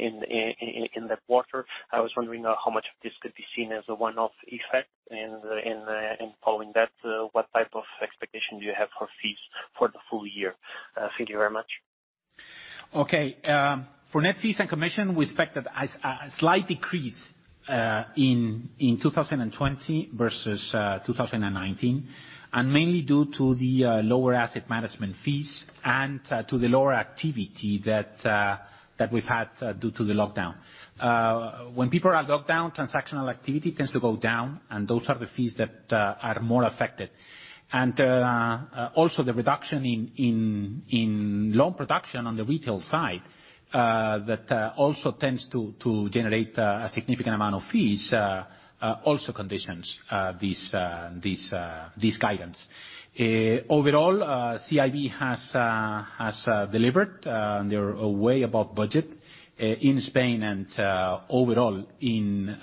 in that quarter. I was wondering how much of this could be seen as a one-off effect? Following that, what type of expectation do you have for fees for the full year? Thank you very much. Okay. For net fees and commission, we expect a slight decrease in 2020 versus 2019, mainly due to the lower asset management fees and to the lower activity that we've had due to the lockdown. When people are locked down, transactional activity tends to go down, those are the fees that are more affected. Also, the reduction in loan production on the retail side, that also tends to generate a significant amount of fees, also conditions this guidance. Overall, CIB has delivered. They're way above budget in Spain and overall, in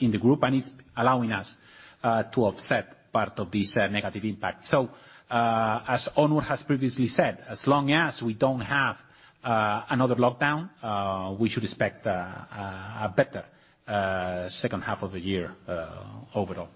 the group, it's allowing us to offset part of this negative impact. As Onur has previously said, as long as we don't have another lockdown, we should expect a better second half of the year overall.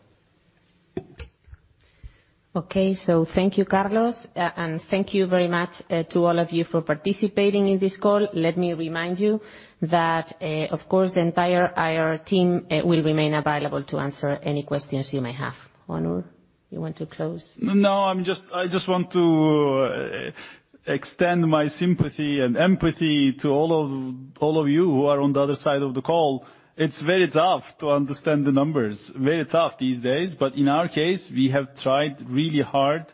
Okay. Thank you, Carlos, and thank you very much to all of you for participating in this call. Let me remind you that, of course, the entire IR team will remain available to answer any questions you may have. Onur, you want to close? I just want to extend my sympathy and empathy to all of you who are on the other side of the call. It's very tough to understand the numbers, very tough these days. In our case, we have tried really hard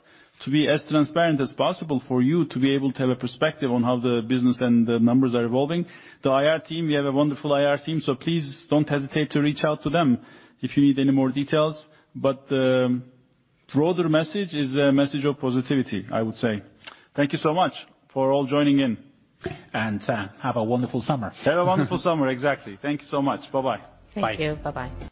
to be as transparent as possible for you to be able to have a perspective on how the business and the numbers are evolving. The IR team, we have a wonderful IR team, so please don't hesitate to reach out to them if you need any more details. The broader message is a message of positivity, I would say. Thank you so much for all joining in. Have a wonderful summer. Have a wonderful summer. Exactly. Thank you so much. Bye-bye. Thank you. Bye-bye.